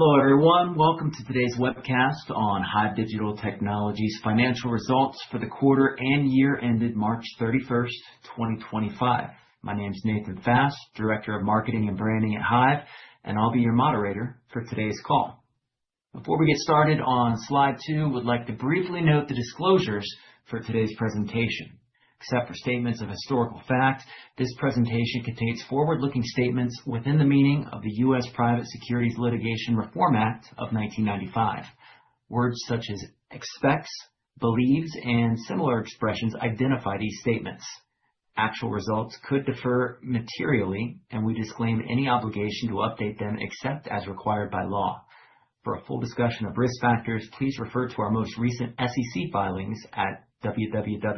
Hello, everyone. Welcome to today's webcast on HIVE Digital Technologies' financial results for the quarter and year ended March 31, 2025. My name is Nathan Fast, Director of Marketing and Branding at HIVE, and I'll be your moderator for today's call. Before we get started, on slide two, I would like to briefly note the disclosures for today's presentation. Except for statements of historical fact, this presentation contains forward-looking statements within the meaning of the U.S. Private Securities Litigation Reform Act of 1995. Words such as "expects," "believes," and similar expressions identify these statements. Actual results could differ materially, and we disclaim any obligation to update them except as required by law. For a full discussion of risk factors, please refer to our most recent SEC filings at www.sec.gov.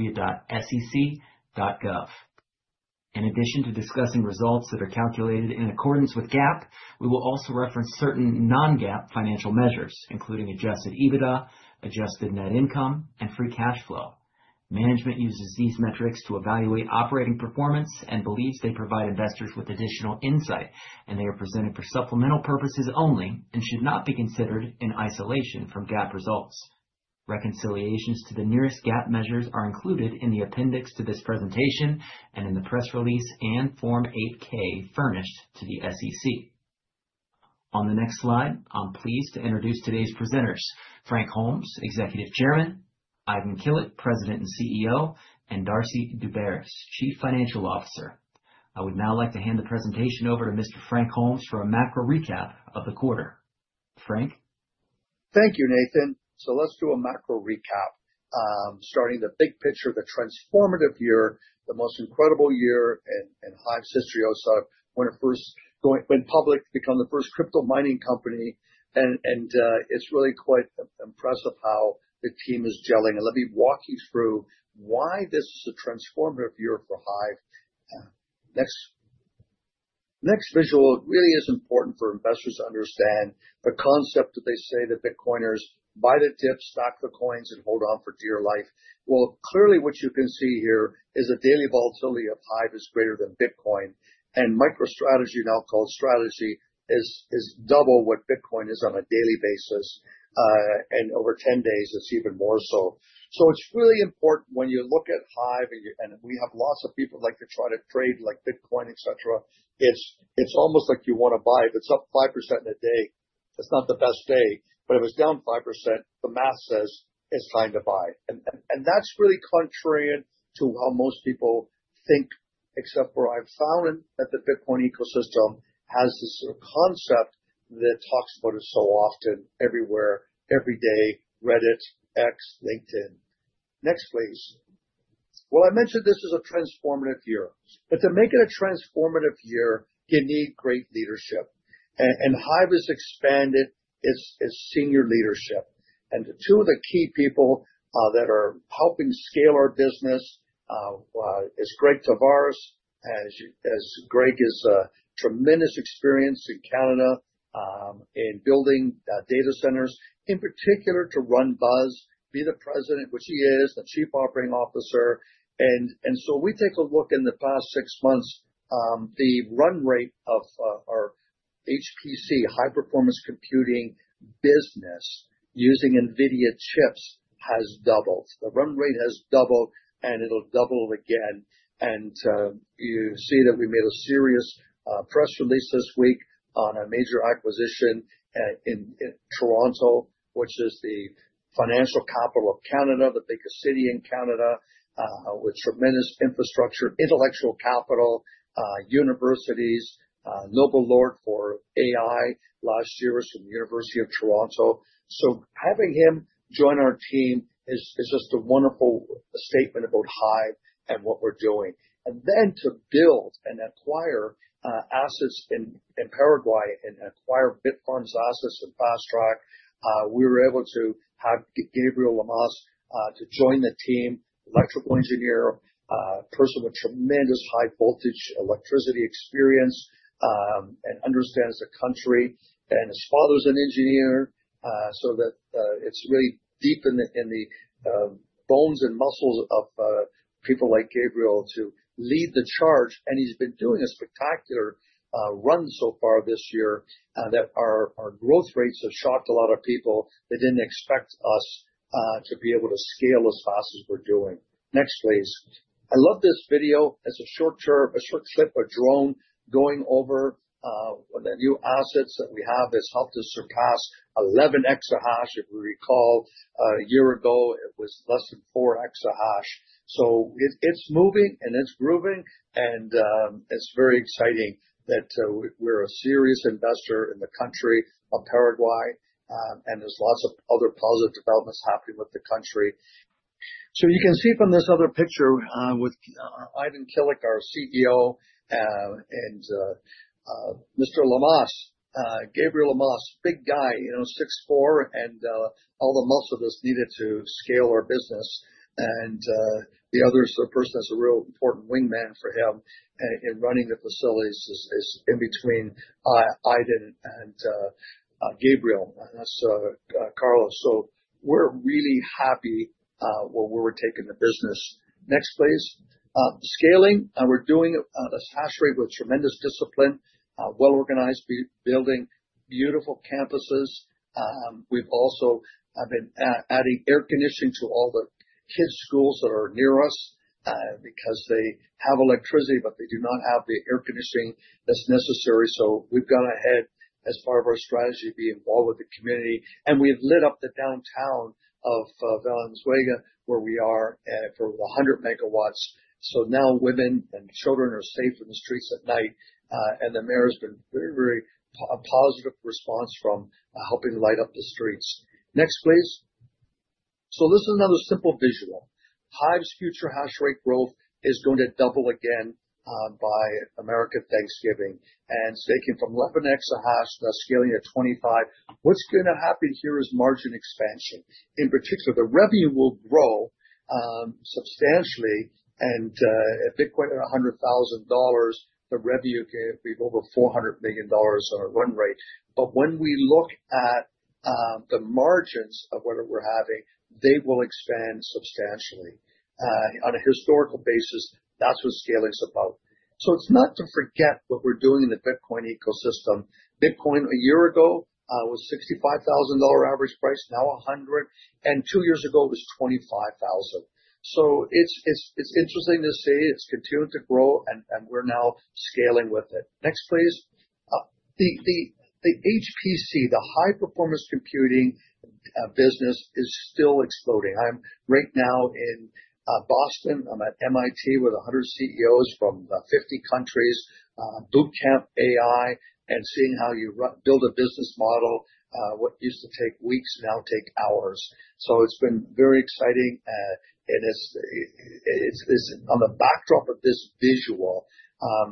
In addition to discussing results that are calculated in accordance with GAAP, we will also reference certain non-GAAP financial measures, including adjusted EBITDA, adjusted net income, and free cash flow. Management uses these metrics to evaluate operating performance and believes they provide investors with additional insight, and they are presented for supplemental purposes only and should not be considered in isolation from GAAP results. Reconciliations to the nearest GAAP measures are included in the appendix to this presentation and in the press release and Form 8K furnished to the SEC. On the next slide, I'm pleased to introduce today's presenters: Frank Holmes, Executive Chairman; Aydin Kilic, President and CEO; and Darcy Daubaras, Chief Financial Officer. I would now like to hand the presentation over to Mr. Frank Holmes for a macro recap of the quarter. Frank? Thank you, Nathan. Let's do a macro recap, starting the big picture, the transformative year, the most incredible year in HIVE's history. I was when it first went public, became the first crypto mining company, and it's really quite impressive how the team is gelling. Let me walk you through why this is a transformative year for HIVE. Next visual really is important for investors to understand the concept that they say the Bitcoiners buy the dip, stock the coins, and hold on for dear life. Clearly what you can see here is the daily volatility of HIVE is greater than Bitcoin, and MicroStrategy is double what Bitcoin is on a daily basis, and over 10 days, it's even more so. It is really important when you look at HIVE, and we have lots of people who like to try to trade like Bitcoin, et cetera. It is almost like you want to buy. If it is +5% in a day, that is not the best day. If it is -5%, the math says it is time to buy. That is really contrary to how most people think, except for I have found that the Bitcoin ecosystem has this concept that talks about it so often, everywhere, every day: Reddit, X, LinkedIn. Next, please. I mentioned this is a transformative year. To make it a transformative year, you need great leadership. HIVE has expanded its senior leadership. Two of the key people that are helping scale our business are Greg Tavares, as Greg has tremendous experience in Canada in building data centers, in particular to run Buzz, be the President, which he is, the Chief Operating Officer. We take a look in the past six months, the run rate of our HPC, High-Performance Computing business using NVIDIA chips has doubled. The run rate has doubled, and it'll double again. You see that we made a serious press release this week on a major acquisition in Toronto, which is the financial capital of Canada, the biggest city in Canada, with tremendous infrastructure, intellectual capital, universities, Nobel laureate for AI last year was from the University of Toronto. Having him join our team is just a wonderful statement about HIVE and what we're doing. To build and acquire assets in Paraguay and acquire Bitfarms assets in Fast Track, we were able to have Gabriel Lamas join the team, electrical engineer, a person with tremendous high-voltage electricity experience and understands the country. His father's an engineer, so that it's really deep in the bones and muscles of people like Gabriel to lead the charge. He's been doing a spectacular run so far this year that our growth rates have shocked a lot of people. They didn't expect us to be able to scale as fast as we're doing. Next, please. I love this video. It's a short clip of a drone going over the new assets that we have that's helped us surpass 11 EH/s. If you recall, a year ago, it was less than 4 EH/s. It's moving and it's grooving, and it's very exciting that we're a serious investor in the country of Paraguay, and there's lots of other positive developments happening with the country. You can see from this other picture with Aydin Kilic, our CEO, and Mr. Lamas, Gabriel Lamas, big guy, you know, 6'4", and all the muscle that's needed to scale our business. The other person that's a real important wingman for him in running the facilities is in between Aydin and Gabriel, and that's Carlos. We're really happy where we're taking the business. Next, please. Scaling. We're doing this HASH rate with tremendous discipline, well-organized, building beautiful campuses. We've also been adding air conditioning to all the kids' schools that are near us because they have electricity, but they do not have the air conditioning that's necessary. We have gone ahead as part of our strategy to be involved with the community. We have lit up the downtown of Valenzuela where we are for 100 MW. Now women and children are safe in the streets at night. The mayor has had a very, very positive response from helping light up the streets. Next, please. This is another simple visual. HIVE's future HASH rate growth is going to double again by American Thanksgiving. Taking from 11 EH/s, that is scaling to 25. What is going to happen here is margin expansion. In particular, the revenue will grow substantially. If Bitcoin is $100,000, the revenue can be over $400 million on a run rate. When we look at the margins of what we are having, they will expand substantially. On a historical basis, that is what scaling is about. So it's not to forget what we're doing in the Bitcoin ecosystem. Bitcoin a year ago was $65,000 average price, now $100,000, and two years ago it was $25,000. It's interesting to see it's continuing to grow, and we're now scaling with it. Next, please. The HPC, the high-performance computing business is still exploding. I'm right now in Boston. I'm at MIT with 100 CEOs from 50 countries, Bootcamp AI, and seeing how you build a business model, what used to take weeks now take hours. It's been very exciting. On the backdrop of this visual,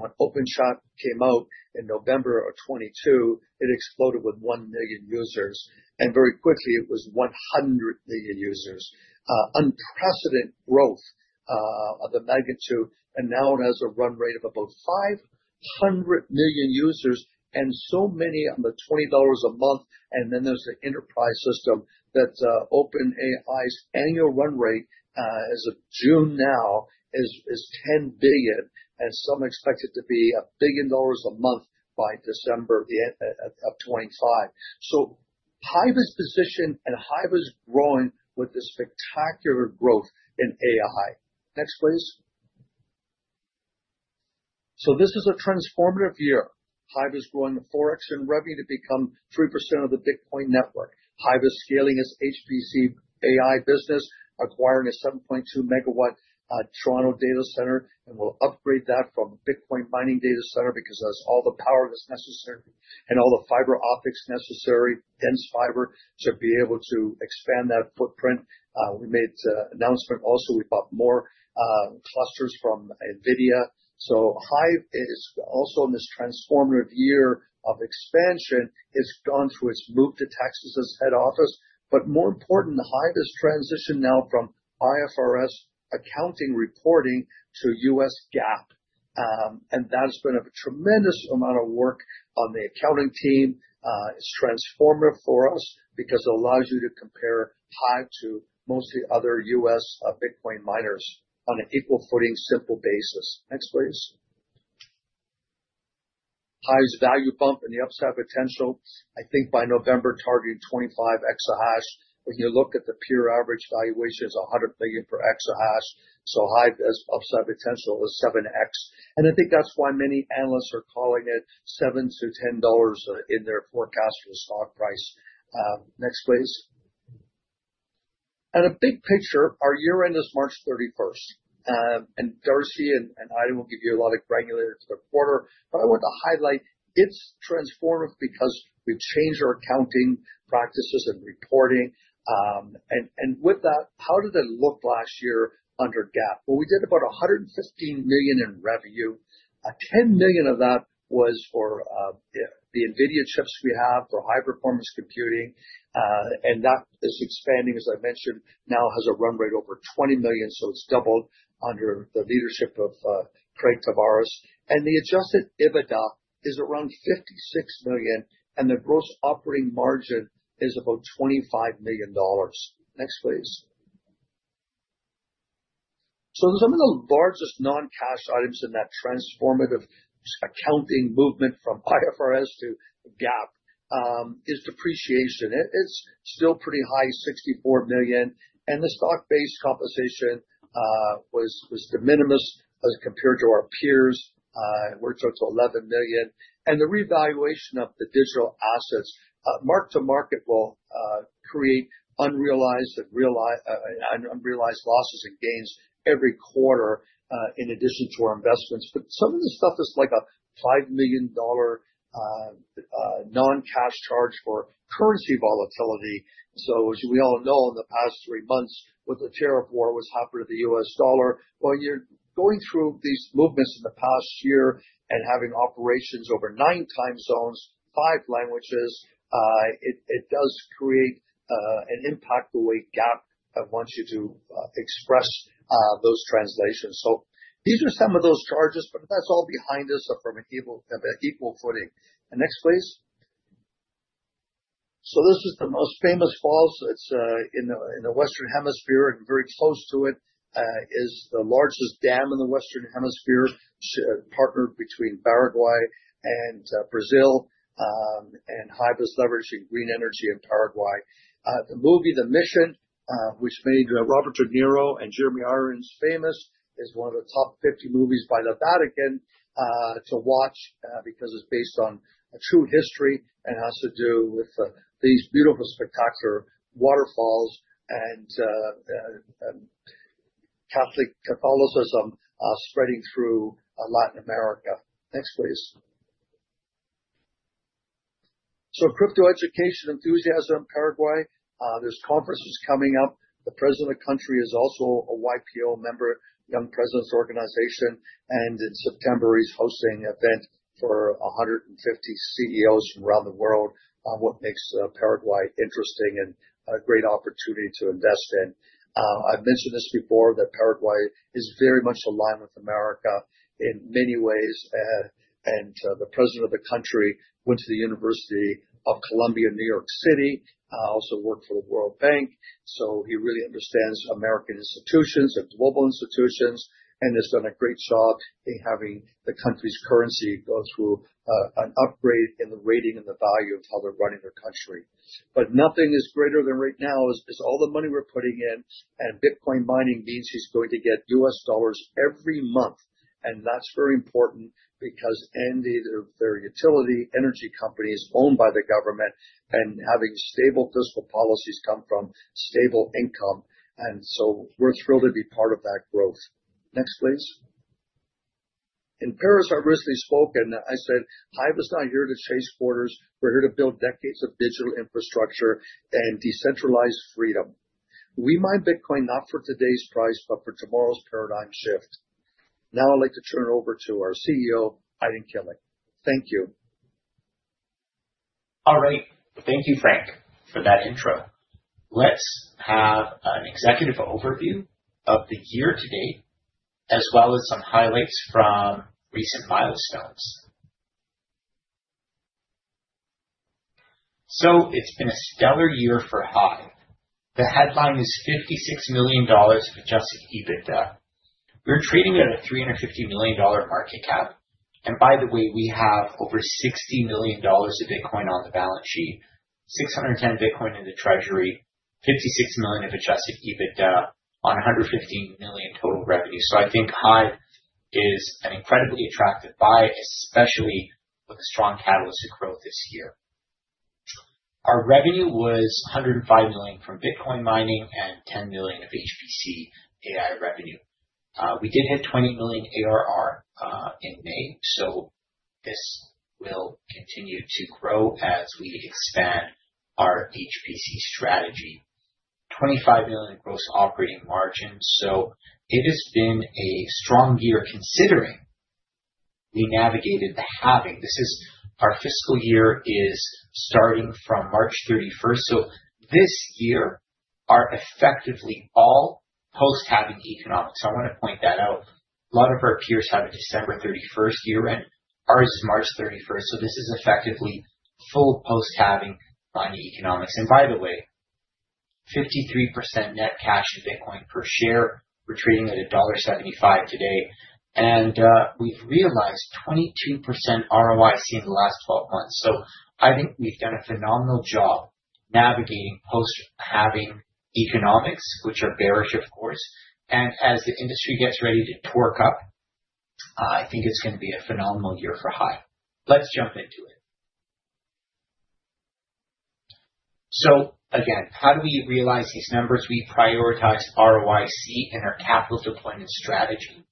when OpenAI came out in November of 2022, it exploded with 1 million users. Very quickly, it was 100 million users. Unprecedented growth of the magnitude. Now it has a run rate of about 500 million users, and so many on the $20 a month. There is the enterprise system that OpenAI's annual run rate as of June now is $10 billion, and some expect it to be $1 billion a month by December of 2025. HIVE's position and HIVE is growing with this spectacular growth in AI. Next, please. This is a transformative year. HIVE is growing the forex and revenue to become 3% of the Bitcoin network. HIVE is scaling its HPC-AI business, acquiring a 7.2 MW Toroto Data Center, and will upgrade that from Bitcoin Mining Data Center because that's all the power that's necessary and all the fiber optics necessary, dense fiber, to be able to expand that footprint. We made an announcement also. We bought more clusters from NVIDIA. HIVE is also in this transformative year of expansion. It's gone through its move to Texas as head office. More important, HIVE has transitioned now from IFRS accounting reporting to US GAAP. That has been a tremendous amount of work on the accounting team. It is transformative for us because it allows you to compare HIVE to mostly other U.S. Bitcoin miners on an equal footing, simple basis. Next, please. HIVE's value bump and the upside potential. I think by November, targeting 25 EH/s. When you look at the pure average valuation, it is $100 million per EH/s. HIVE has upside potential of 7x. I think that is why many analysts are calling it $7 to $10 in their forecast for the stock price. Next, please. A big picture, our year-end is March 31st. Darcy and Aydin will give you a lot of granular quarter. I want to highlight it is transformative because we have changed our accounting practices and reporting. With that, how did it look last year under GAAP? We did about $115 million in revenue. $10 million of that was for the NVIDIA chips we have for high-performance computing. That is expanding, as I mentioned, now has a run rate over $20 million. It has doubled under the leadership of Greg Tavares. The adjusted EBITDA is around $56 million. The gross operating margin is about $25 million. Next, please. Some of the largest non-cash items in that transformative accounting movement from IFRS to GAAP is depreciation. It is still pretty high, $64 million. The stock-based compensation was de minimis as compared to our peers. We are up to $11 million. The revaluation of the digital assets, mark-to-market, will create unrealized and realized losses and gains every quarter in addition to our investments. But some of this stuff is like a $5 million non-cash charge for currency volatility. As we all know, in the past three months, with the tariff war, what has happened to the U.S. dollar? You are going through these movements in the past year and having operations over nine time zones, five languages. It does create an impact the way GAAP wants you to express those translations. These are some of those charges, but that is all behind us from an equal footing. Next, please. This is the most famous falls. It is in the Western Hemisphere and very close to it. It is the largest dam in the Western Hemisphere, partnered between Paraguay and Brazil. HIVE is leveraging green energy in Paraguay. The movie, The Mission, which made Robert De Niro and Jeremy Irons famous, is one of the top 50 movies by the Vatican to watch because it is based on true history and has to do with these beautiful, spectacular waterfalls and Catholic Catholicism spreading through Latin America. Next, please. Crypto education enthusiasm in Paraguay. There are conferences coming up. The president of the country is also a YPO member, Young Presidents Organization. In September, he is hosting an event for 150 CEOs from around the world on what makes Paraguay interesting and a great opportunity to invest in. I have mentioned this before, that Paraguay is very much aligned with America in many ways. The president of the country went to the University of Columbia, New York City. He also worked for the World Bank. He really understands American institutions and global institutions and has done a great job in having the country's currency go through an upgrade in the rating and the value of how they're running their country. Nothing is greater than right now is all the money we're putting in. Bitcoin mining means he's going to get U.S. dollars every month. That's very important because end of their utility energy companies owned by the government and having stable fiscal policies come from stable income. We're thrilled to be part of that growth. Next, please. In Paris, I recently spoke, and I said, "HIVE is not here to chase quarters. We're here to build decades of digital infrastructure and decentralized freedom. We mine Bitcoin not for today's price, but for tomorrow's paradigm shift." Now I'd like to turn it over to our CEO, Aydin Kilic. Thank you. All right. Thank you, Frank, for that intro. Let's have an executive overview of the year to date, as well as some highlights from recent milestones. It has been a stellar year for HIVE. The headline is $56 million of adjusted EBITDA. We are trading at a $350 million market cap. By the way, we have over $60 million of Bitcoin on the balance sheet, 610 Bitcoin in the treasury, $56 million of adjusted EBITDA on $115 million total revenue. I think HIVE is an incredibly attractive buy, especially with a strong catalyst of growth this year. Our revenue was $105 million from Bitcoin mining and $10 million of HPC-AI revenue. We did hit $20 million ARR in May. This will continue to grow as we expand our HPC strategy. $25 million gross operating margin. It has been a strong year considering we navigated the halving. This is our fiscal year is starting from March 31st. This year are effectively all post-halving economics. I want to point that out. A lot of our peers have a December 31st year end, and ours is March 31st. This is effectively full post-halving economics. By the way, 53% net cash in Bitcoin per share. We're trading at $1.75 today. We've realized 22% ROI seen in the last 12 months. I think we've done a phenomenal job navigating post-halving economics, which are bearish, of course. As the industry gets ready to torque up, I think it's going to be a phenomenal year for HIVE. Let's jump into it. Again, how do we realize these numbers? We prioritize ROIC in our capital deployment strategy.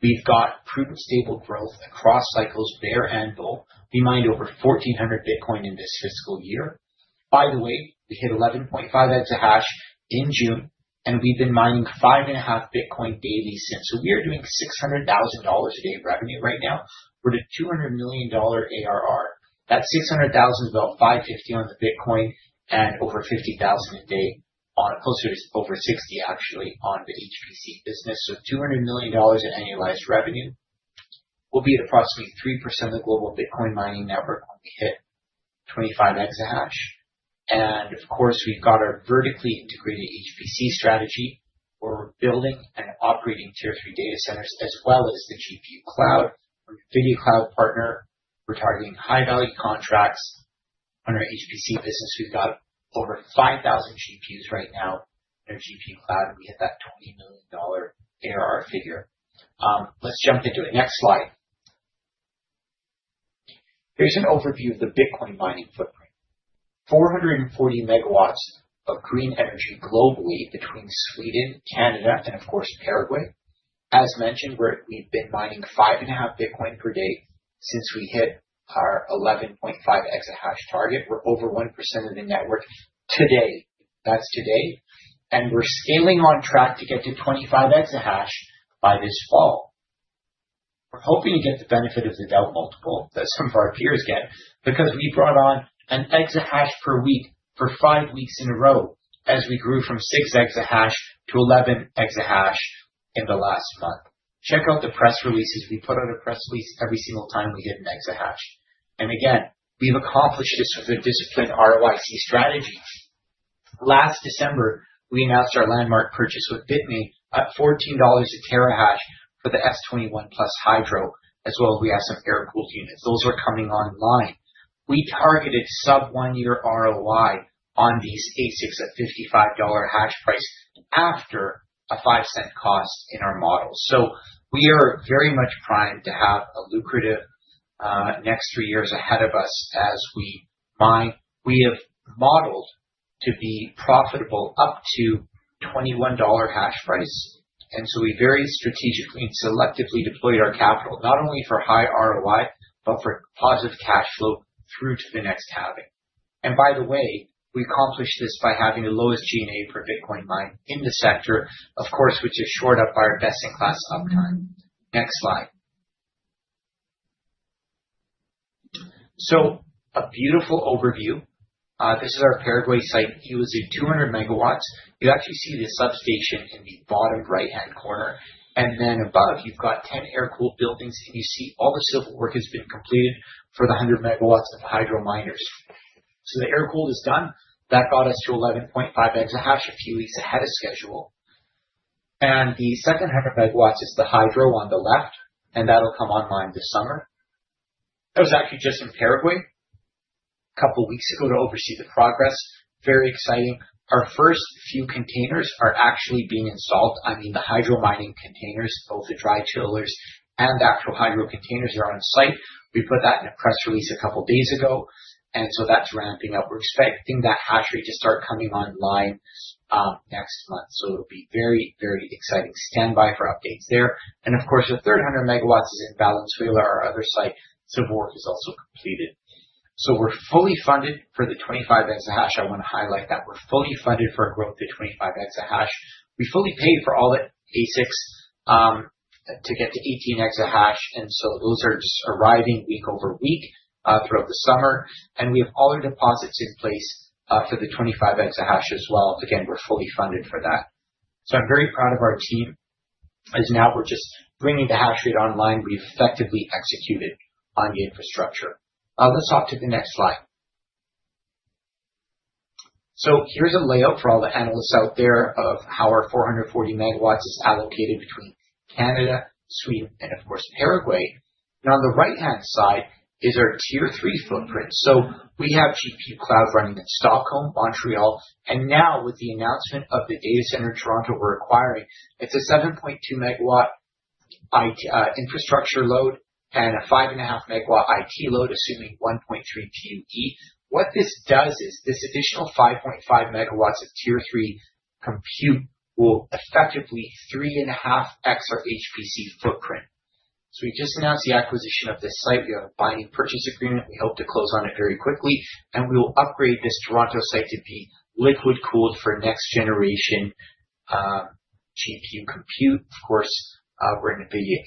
We've got prudent, stable growth across cycles, bear and bull. We mined over 1,400 Bitcoin in this fiscal year. By the way, we hit 11.5 EH/s in June. We have been mining 5.5 Bitcoin daily since. We are doing $600,000 a day revenue right now. We are to $200 million ARR. That $600,000 is about $550,000 on the Bitcoin and over $50,000 a day on, closer to over $60,000 actually on the HPC business. $200 million in annualized revenue will be at approximately 3% of the global Bitcoin mining network when we hit 25 EH/s. Of course, we have our vertically integrated HPC strategy where we are building and operating Tier III data centers as well as the GPU cloud. We are an NVIDIA Cloud partner. We are targeting high-value contracts. On our HPC business, we have over 5,000 GPUs right now in our GPU cloud. We hit that $20 million ARR figure. Let's jump into it. Next slide. Here is an overview of the Bitcoin mining footprint. 440 MW of green energy globally between Sweden, Canada, and of course, Paraguay. As mentioned, we've been mining 5.5 Bitcoin per day since we hit our 11.5 EH/s target. We're over 1% of the network today. That's today. We're scaling on track to get to 25 EH/s by this fall. We're hoping to get the benefit of the delta multiple that some of our peers get because we brought on an EH/s per week for five weeks in a row as we grew from 6 EH/s to 11 EH/s in the last month. Check out the press releases. We put out a press release every single time we hit an EH/s. We've accomplished this with a disciplined ROIC strategy. Last December, we announced our landmark purchase with Bitmain at $14 TH for the S21+ Hyd., as well as we have some air-cooled units. Those are coming online. We targeted sub-one-year ROI on these ASICs at $55 HASH price after a 5-cent cost in our model. We are very much primed to have a lucrative next three years ahead of us as we mine. We have modeled to be profitable up to $21 HASH price. We very strategically and selectively deployed our capital, not only for high ROI, but for positive cash flow through to the next halving. By the way, we accomplished this by having the lowest G&A per Bitcoin mined in the sector, of course, which is shored up by our best-in-class uptime. Next slide. A beautiful overview. This is our Paraguay site. It was a 200 MW. You actually see the substation in the bottom right-hand corner. Above, you've got 10 air-cooled buildings. You see all the civil work has been completed for the 100 MW of the hydro miners. The air-cooled is done. That got us to 11.5 EH/s a few weeks ahead of schedule. The second 100 MW is the hydro on the left. That'll come online this summer. I was actually just in Paraguay a couple of weeks ago to oversee the progress. Very exciting. Our first few containers are actually being installed. I mean, the hydro mining containers, both the dry chillers and the actual hydro containers, are on site. We put that in a press release a couple of days ago. That is ramping up. We're expecting that HASH rate to start coming online next month. It'll be very, very exciting. Stand by for updates there. Of course, the third 100 MW is in Valenzuela, our other site. Civil work is also completed. We are fully funded for the 25 EH/s. I want to highlight that. We are fully funded for growth to 25 EH/s. We fully paid for all the ASICs to get to 18 EH/s. Those are just arriving week over week throughout the summer. We have all our deposits in place for the 25 EH/s as well. Again, we are fully funded for that. I am very proud of our team. As now we are just bringing the HASH rate online, we have effectively executed on the infrastructure. Let's hop to the next slide. Here is a layout for all the analysts out there of how our 440 MW is allocated between Canada, Sweden, and Paraguay. On the right-hand side is our tier three footprint. We have GPU cloud running in Stockholm, Montreal. Now with the announcement of the data center in Toronto we are acquiring, it is a 7.2 MW infrastructure load and a 5.5 MW IT load, assuming 1.3 PUE. What this does is this additional 5.5 MW of tier three compute will effectively 3.5x our HPC footprint. We just announced the acquisition of this site. We have a binding purchase agreement. We hope to close on it very quickly. We will upgrade this Toronto site to be liquid-cooled for next-generation GPU compute. Of course, we are an NVIDIA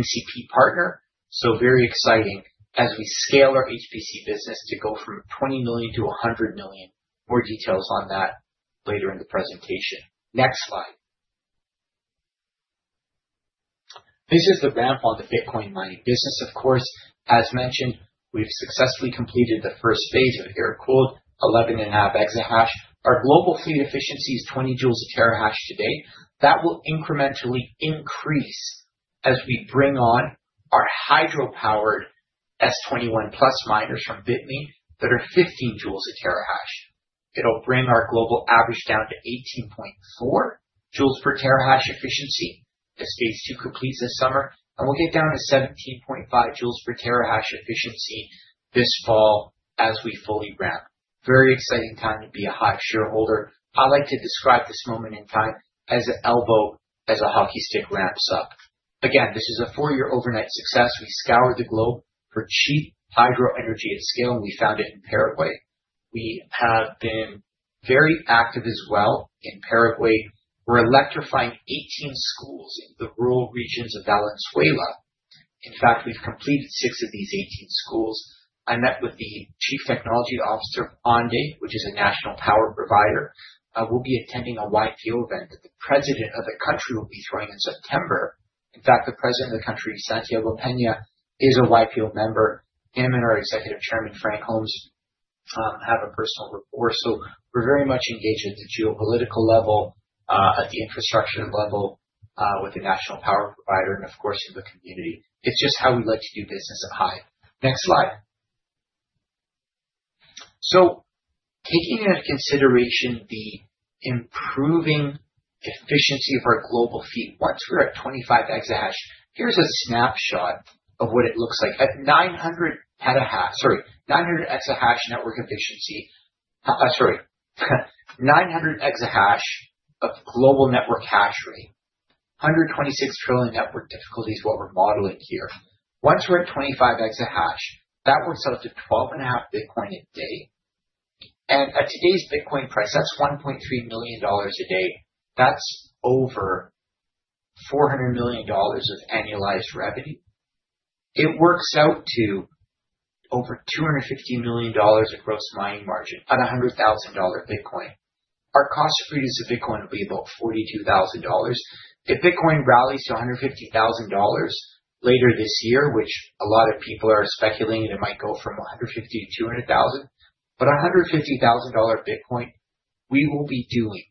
NCP partner. It is very exciting as we scale our HPC business to go from $20 million to $100 million. More details on that later in the presentation. Next slide. This is the ramp on the Bitcoin mining business. Of course, as mentioned, we've successfully completed the first phase of air-cooled 11.5 EH/s. Our global fleet efficiency is 20 J/TH today. That will incrementally increase as we bring on our hydro-powered S21+ miners from Bitmain that are 15 J/TH. It'll bring our global average down to 18.4 J/TH efficiency as phase two completes this summer. We'll get down to 17.5 J/TH efficiency this fall as we fully ramp. Very exciting time to be a HIVE shareholder. I like to describe this moment in time as an elbow as a hockey stick ramps up. Again, this is a four-year overnight success. We scoured the globe for cheap hydro energy at scale, and we found it in Paraguay. We have been very active as well in Paraguay. We're electrifying 18 schools in the rural regions of Valenzuela. In fact, we've completed six of these 18 schools. I met with the Chief Technology Officer of ANDE, which is a national power provider. We'll be attending a YPO event that the president of the country will be throwing in September. In fact, the president of the country, Santiago Peña, is a YPO member. He and our Executive Chairman, Frank Holmes, have a personal rapport. We are very much engaged at the geopolitical level, at the infrastructure level with the national power provider, and of course, in the community. It's just how we like to do business at HIVE. Next slide. Taking into consideration the improving efficiency of our global fleet, once we're at 25 EH/s, here's a snapshot of what it looks like. At 900 petaHASH, sorry, 900 EH/s network efficiency, sorry, 900 EH/s of global network HASH rate, 126 trillion network difficulties is what we're modeling here. Once we're at 25 EH/s, that works out to 12.5 Bitcoin a day. At today's Bitcoin price, that's $1.3 million a day. That's over $400 million of annualized revenue. It works out to over $250 million of gross mining margin at $100,000 Bitcoin. Our cost to produce a Bitcoin will be about $42,000. If Bitcoin rallies to $150,000 later this year, which a lot of people are speculating that it might go from $150,000 to $200,000, but $150,000 Bitcoin, we will be doing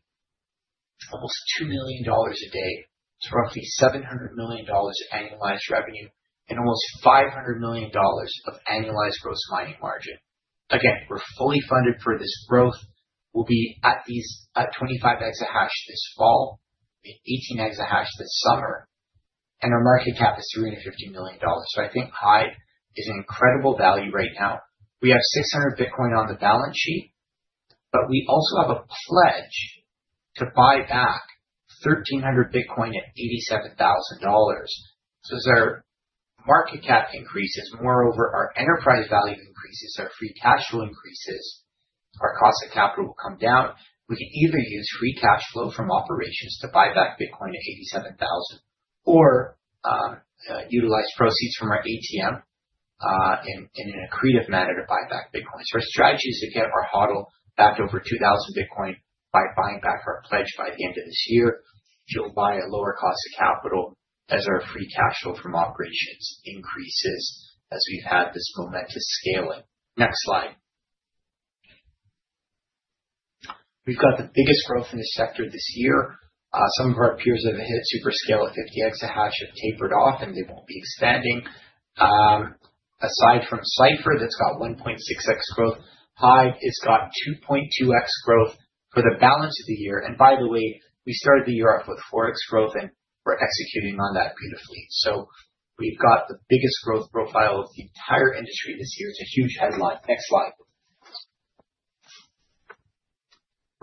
almost $2 million a day. It's roughly $700 million of annualized revenue and almost $500 million of annualized gross mining margin. Again, we're fully funded for this growth. We'll be at 25 EH/s this fall, 18 EH/s this summer. Our market cap is $350 million. I think HIVE is an incredible value right now. We have 600 Bitcoin on the balance sheet, but we also have a pledge to buy back 1,300 Bitcoin at $87,000. As our market cap increases, moreover, our enterprise value increases, our free cash flow increases, our cost of capital will come down. We can either use free cash flow from operations to buy back Bitcoin at $87,000 or utilize proceeds from our ATM in an accretive manner to buy back Bitcoin. Our strategy is to get our HODL back over 2,000 Bitcoin by buying back our pledge by the end of this year. It'll buy a lower cost of capital as our free cash flow from operations increases as we've had this momentous scaling. Next slide. We've got the biggest growth in the sector this year. Some of our peers have hit super scale at 50 EH/s, have tapered off, and they won't be expanding. Aside from Cypher, that's got 1.6x growth. HIVE has got 2.2x growth for the balance of the year. By the way, we started the year off with 4x growth, and we're executing on that beautifully. We have got the biggest growth profile of the entire industry this year. It's a huge headline. Next slide.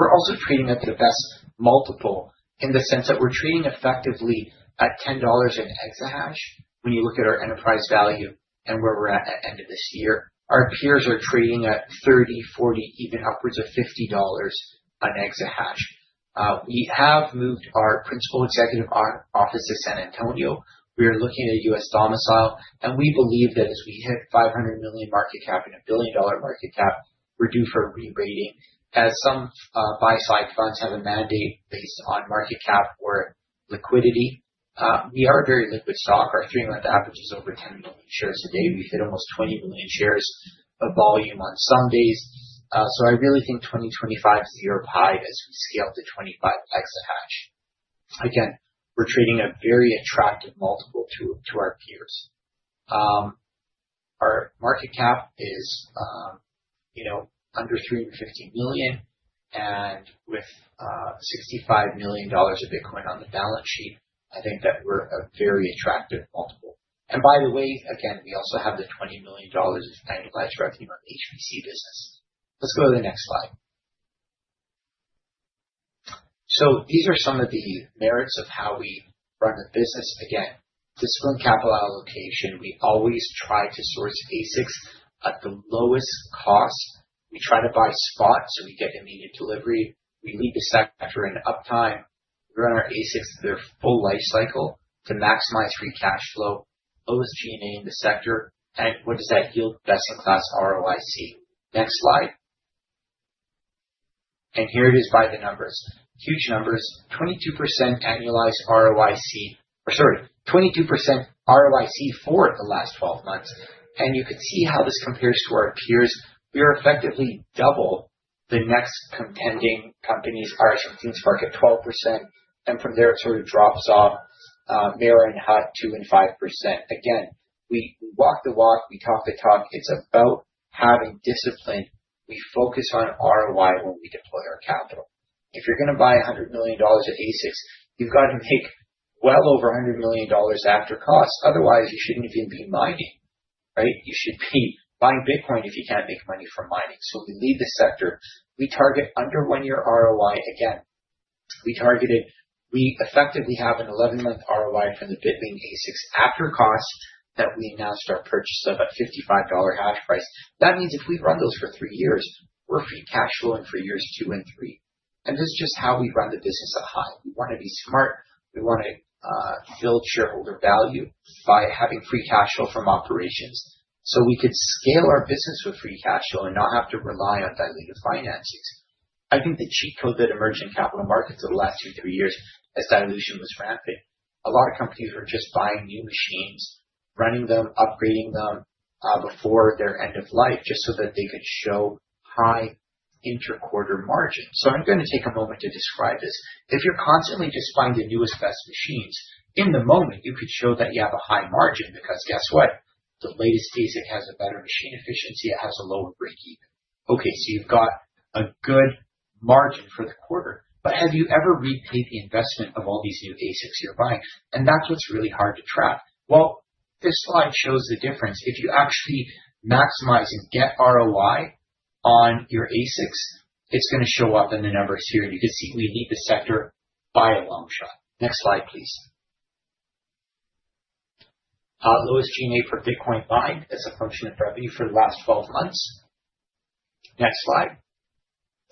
We're also trading at the best multiple in the sense that we're trading effectively at $10 an EH/s when you look at our enterprise value and where we're at at the end of this year. Our peers are trading at 30, 40, even upwards of $50 an EH/s. We have moved our principal executive office to San Antonio. We are looking at a U.S. domicile. We believe that as we hit $500 million market cap and a $1 billion market cap, we're due for re-rating. As some buy-side funds have a mandate based on market cap or liquidity, we are a very liquid stock. Our three-month average is over 10 million shares a day. We've hit almost 20 million shares of volume on some days. I really think 2025 is the year of HIVE as we scale to 25 EH/s. Again, we're trading at a very attractive multiple to our peers. Our market cap is under $350 million. With $65 million of Bitcoin on the balance sheet, I think that we're a very attractive multiple. By the way, again, we also have the $20 million of annualized revenue on the HPC business. Let's go to the next slide. These are some of the merits of how we run the business. Again, discipline capital allocation. We always try to source ASICs at the lowest cost. We try to buy spot so we get immediate delivery. We lead the sector in uptime. We run our ASICs their full life cycle to maximize free cash flow, lowest G&A in the sector, and what does that yield? Best-in-class ROIC. Next slide. Here it is by the numbers. Huge numbers. 22% annualized ROIC, or sorry, 22% ROIC for the last 12 months. You can see how this compares to our peers. We are effectively double the next contending companies. Our expectations for our 12%. From there, it sort of drops off. Marathon and HUT 8, 2% and 5%. Again, we walk the walk. We talk the talk. It's about having discipline. We focus on ROI when we deploy our capital. If you're going to buy $100 million of ASICs, you've got to make well over $100 million after costs. Otherwise, you shouldn't even be mining, right? You should be buying Bitcoin if you can't make money from mining. We lead the sector. We target under one-year ROI. Again, we targeted. We effectively have an 11-month ROI from the Bitmain ASICs after costs that we announced our purchase of at $55 HASH price. That means if we run those for three years, we're free cash flowing for years two and three. This is just how we run the business at HIVE. We want to be smart. We want to build shareholder value by having free cash flow from operations. We could scale our business with free cash flow and not have to rely on diluted finances. I think the cheat code that emerged in capital markets over the last two, three years as dilution was ramping, a lot of companies were just buying new machines, running them, upgrading them before their end of life just so that they could show high interquarter margins. I am going to take a moment to describe this. If you are constantly just buying the newest best machines, in the moment, you could show that you have a high margin because guess what? The latest ASIC has a better machine efficiency. It has a lower breakeven. Okay, you have got a good margin for the quarter. Have you ever repaid the investment of all these new ASICs you are buying? That is what is really hard to track. This slide shows the difference. If you actually maximize and get ROI on your ASICs, it is going to show up in the numbers here. You can see we lead the sector by a long shot. Next slide, please. Lowest G&A for Bitcoin mined as a function of revenue for the last 12 months. Next slide.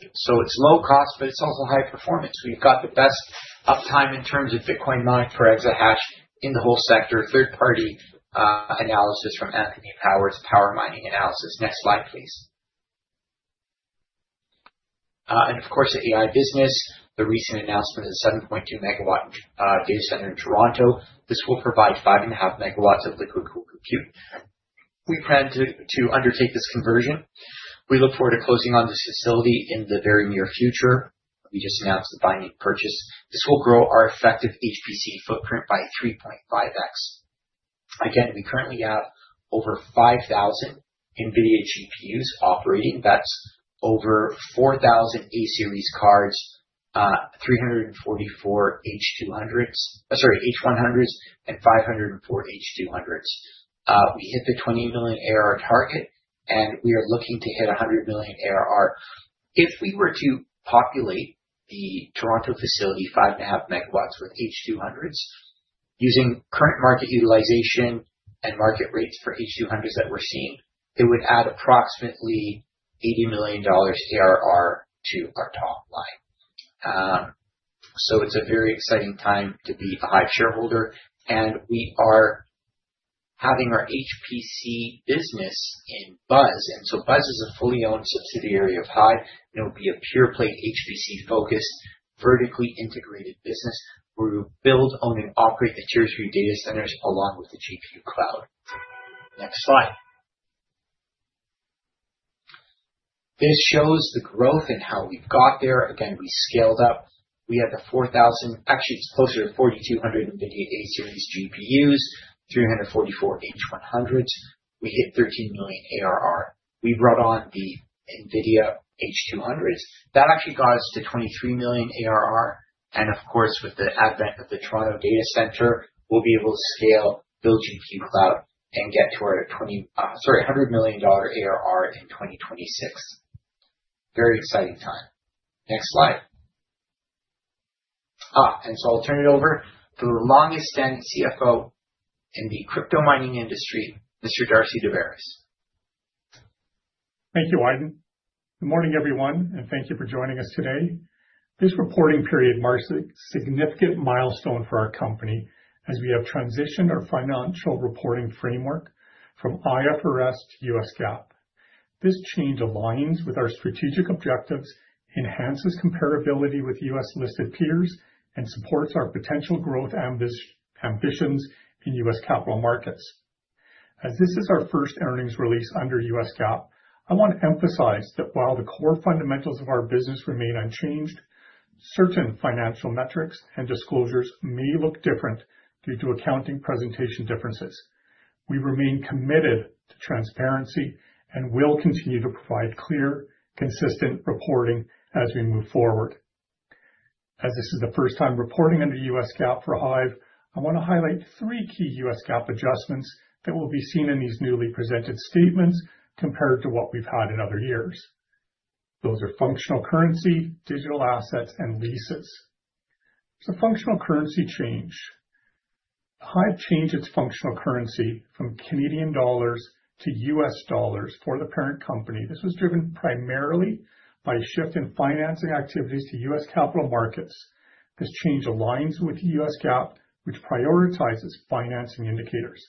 It is low cost, but it is also high performance. We have got the best uptime in terms of Bitcoin mined per EH/s in the whole sector. Third-party analysis from Anthony Powers, power mining analysis. Next slide, please. Of course, the AI business, the recent announcement of the 7.2 MW data center in Toronto. This will provide 5.5 MW of liquid-cooled compute. We plan to undertake this conversion. We look forward to closing on this facility in the very near future. We just announced the binding purchase. This will grow our effective HPC footprint by 3.5x. Again, we currently have over 5,000 NVIDIA GPUs operating. That is over 4,000 A-series cards, 344 NVIDIA H100s, and 504 NVIDIA H200s. We hit the $20 million ARR target, and we are looking to hit $100 million ARR. If we were to populate the Toronto facility 5.5 MW with NVIDIA H200s, using current market utilization and market rates for NVIDIA H200s that we are seeing, it would add approximately $80 million ARR to our top line. It is a very exciting time to be a HIVE shareholder. We are having our HPC business in Buzz. Buzz is a fully owned subsidiary of HIVE. It will be a pure-play HPC-focused, vertically integrated business where we will build, own, and operate the Tier III data centers along with the GPU cloud. Next slide. This shows the growth and how we have got there. Again, we scaled up. We had the 4,000, actually, it is closer to 4,200 NVIDIA A-series GPUs, 344 NVIDIA H100s. We hit $13 million ARR. We brought on the NVIDIA H200s. That actually got us to $23 million ARR. Of course, with the advent of the Toronto Data Center, we'll be able to scale, build GPU cloud, and get to our $100 million ARR in 2026. Very exciting time. Next slide. I'll turn it over to the longest-standing CFO in the crypto mining industry, Mr. Darcy Daubaras. Thank you, Aydin. Good morning, everyone, and thank you for joining us today. This reporting period marks a significant milestone for our company as we have transitioned our financial reporting framework from IFRS to US GAAP. This change aligns with our strategic objectives, enhances comparability with US-listed peers, and supports our potential growth ambitions in US capital markets. As this is our first earnings release under US GAAP, I want to emphasize that while the core fundamentals of our business remain unchanged, certain financial metrics and disclosures may look different due to accounting presentation differences. We remain committed to transparency and will continue to provide clear, consistent reporting as we move forward. As this is the first time reporting under US GAAP for HIVE, I want to highlight three key US GAAP adjustments that will be seen in these newly presented statements compared to what we've had in other years. Those are functional currency, digital assets, and leases. So functional currency change. HIVE changed its functional currency from Canadian dollars to U.S. dollars for the parent company. This was driven primarily by a shift in financing activities to U.S. capital markets. This change aligns with US GAAP, which prioritizes financing indicators.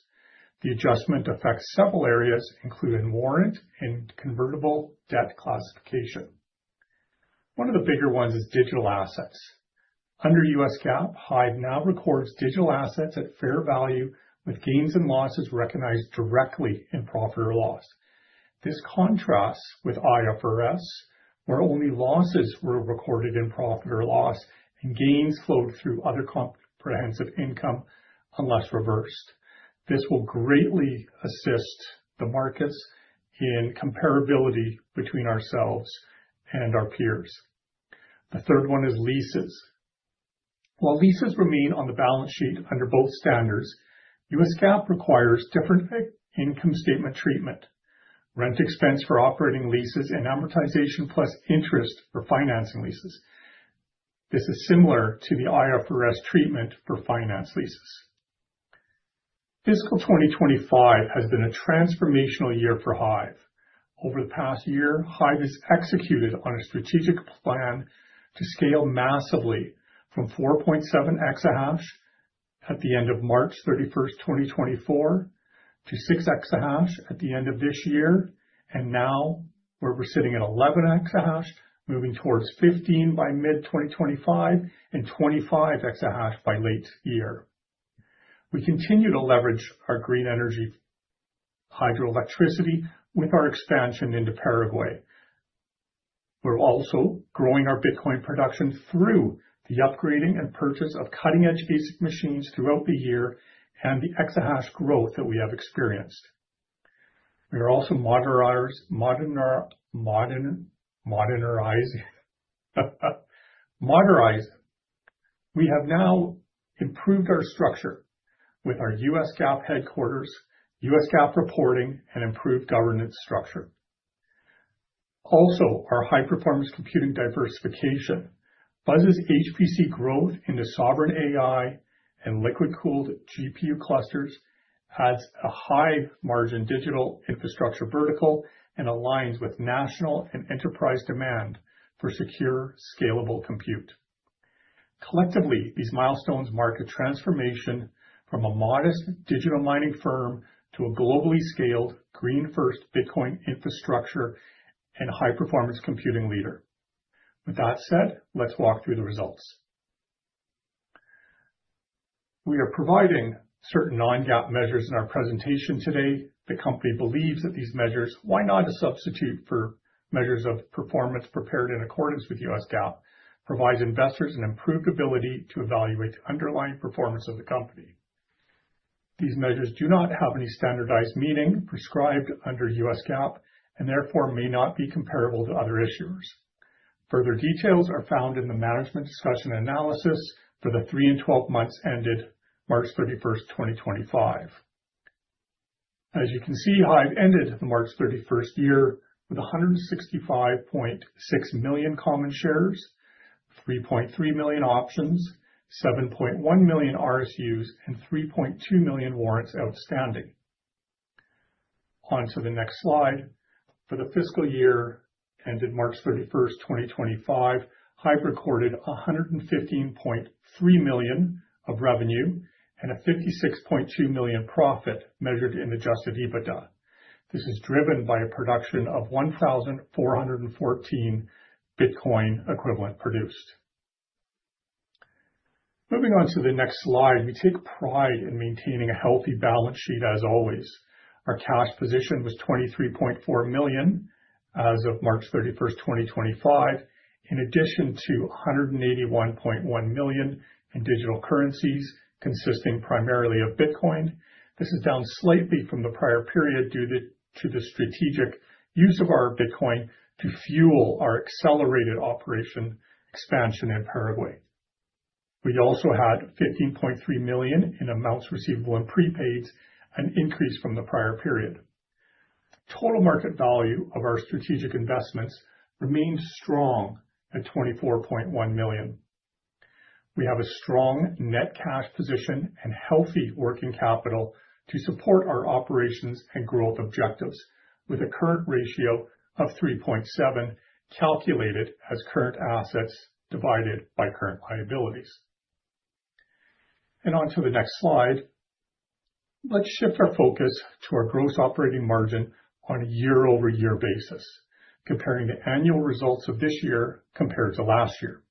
The adjustment affects several areas, including warrant and convertible debt classification. One of the bigger ones is digital assets. Under US GAAP, HIVE now records digital assets at fair value with gains and losses recognized directly in profit or loss. This contrasts with IFRS, where only losses were recorded in profit or loss, and gains flowed through other comprehensive income unless reversed. This will greatly assist the markets in comparability between ourselves and our peers. The third one is leases. While leases remain on the balance sheet under both standards, US GAAP requires different income statement treatment: rent expense for operating leases and amortization plus interest for financing leases. This is similar to the IFRS treatment for finance leases. Fiscal year 2025 has been a transformational year for HIVE. Over the past year, HIVE has executed on a strategic plan to scale massively from 4.7 EH/s at the end of March 31st, 2024, to 6 EH/s at the end of this year. Now we're sitting at 11 EH/s, moving towards 15 by mid-2025, and 25 EH/s by late year. We continue to leverage our green energy hydroelectricity with our expansion into Paraguay. We're also growing our Bitcoin production through the upgrading and purchase of cutting-edge ASIC machines throughout the year and the EH/s growth that we have experienced. We are also modernizing. We have now improved our structure with our US GAAP headquarters, US GAAP reporting, and improved governance structure. Also, our high-performance computing diversification, Buzz's HPC growth into sovereign AI and liquid-cooled GPU clusters, adds a high-margin digital infrastructure vertical and aligns with national and enterprise demand for secure, scalable compute. Collectively, these milestones mark a transformation from a modest digital mining firm to a globally scaled, green-first Bitcoin infrastructure and high-performance computing leader. With that said, let's walk through the results. We are providing certain non-GAAP measures in our presentation today. The company believes that these measures, while not a substitute for measures of performance prepared in accordance with US GAAP, provide investors an improved ability to evaluate the underlying performance of the company. These measures do not have any standardized meaning prescribed under US GAAP and therefore may not be comparable to other issuers. Further details are found in the management discussion analysis for the three and 12 months ended March 31st, 2025. As you can see, HIVE ended the March 31st year with 165.6 million common shares, 3.3 million options, 7.1 million RSUs, and 3.2 million warrants outstanding. On to the next slide. For the fiscal year ended March 31st, 2025, HIVE recorded $115.3 million of revenue and a $56.2 million profit measured in adjusted EBITDA. This is driven by a production of 1,414 Bitcoin equivalent produced. Moving on to the next slide, we take pride in maintaining a healthy balance sheet as always. Our cash position was $23.4 million as of March 31st, 2025, in addition to $181.1 million in digital currencies consisting primarily of Bitcoin. This is down slightly from the prior period due to the strategic use of our Bitcoin to fuel our accelerated operation expansion in Paraguay. We also had $15.3 million in amounts receivable and prepaids, an increase from the prior period. Total market value of our strategic investments remained strong at $24.1 million. We have a strong net cash position and healthy working capital to support our operations and growth objectives with a current ratio of 3.7 calculated as current assets divided by current liabilities. On to the next slide, let's shift our focus to our gross operating margin on a year-over-year basis, comparing the annual results of this year compared to last year.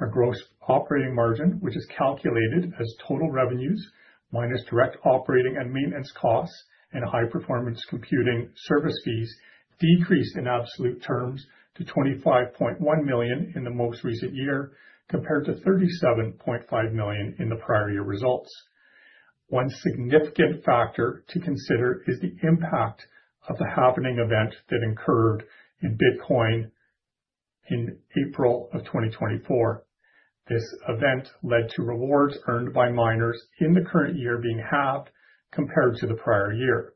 Our gross operating margin, which is calculated as total revenues minus direct operating and maintenance costs and high-performance computing service fees, decreased in absolute terms to $25.1 million in the most recent year compared to $37.5 million in the prior year results. One significant factor to consider is the impact of the halving event that occurred in Bitcoin in April of 2024. This event led to rewards earned by miners in the current year being halved compared to the prior year.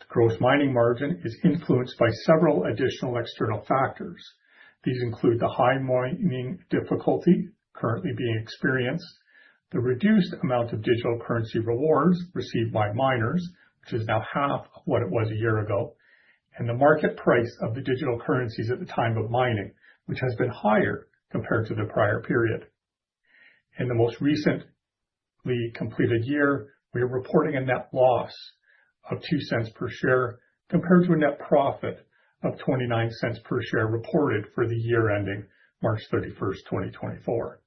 The gross mining margin is influenced by several additional external factors. These include the high mining difficulty currently being experienced, the reduced amount of digital currency rewards received by miners, which is now half of what it was a year ago, and the market price of the digital currencies at the time of mining, which has been higher compared to the prior period. In the most recently completed year, we are reporting a net loss of $0.02 per share compared to a net profit of $0.29 per share reported for the year ending March 31, 2024.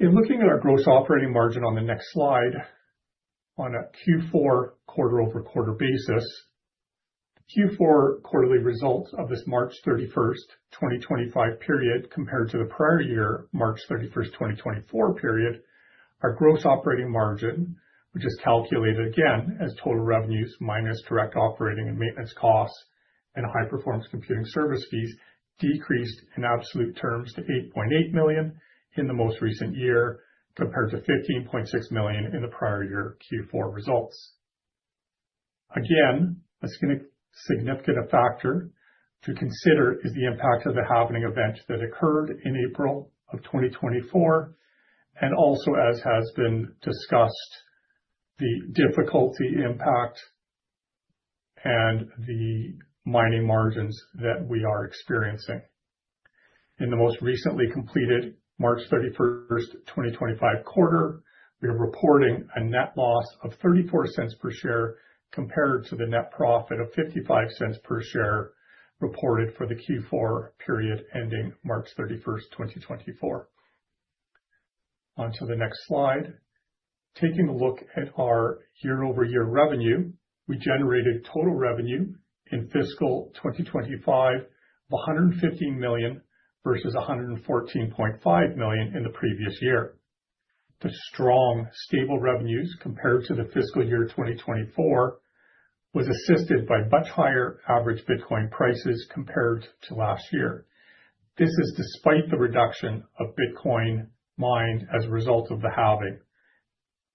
In looking at our gross operating margin on the next slide, on a Q4 quarter-over-quarter basis, the Q4 quarterly results of this March 31, 2025 period compared to the prior year March 31, 2024 period, our gross operating margin, which is calculated again as total revenues minus direct operating and maintenance costs and high-performance computing service fees, decreased in absolute terms to $8.8 million in the most recent year compared to $15.6 million in the prior year Q4 results. Again, a significant factor to consider is the impact of the halving event that occurred in April of 2024, and also, as has been discussed, the difficulty impact and the mining margins that we are experiencing. In the most recently completed March 31, 2025 quarter, we are reporting a net loss of $0.34 per share compared to the net profit of $0.55 per share reported for the Q4 period ending March 31, 2024. On to the next slide. Taking a look at our year-over-year revenue, we generated total revenue in fiscal year 2025 of $115 million versus $114.5 million in the previous year. The strong, stable revenues compared to the fiscal year 2024 was assisted by much higher average Bitcoin prices compared to last year. This is despite the reduction of Bitcoin mined as a result of the halving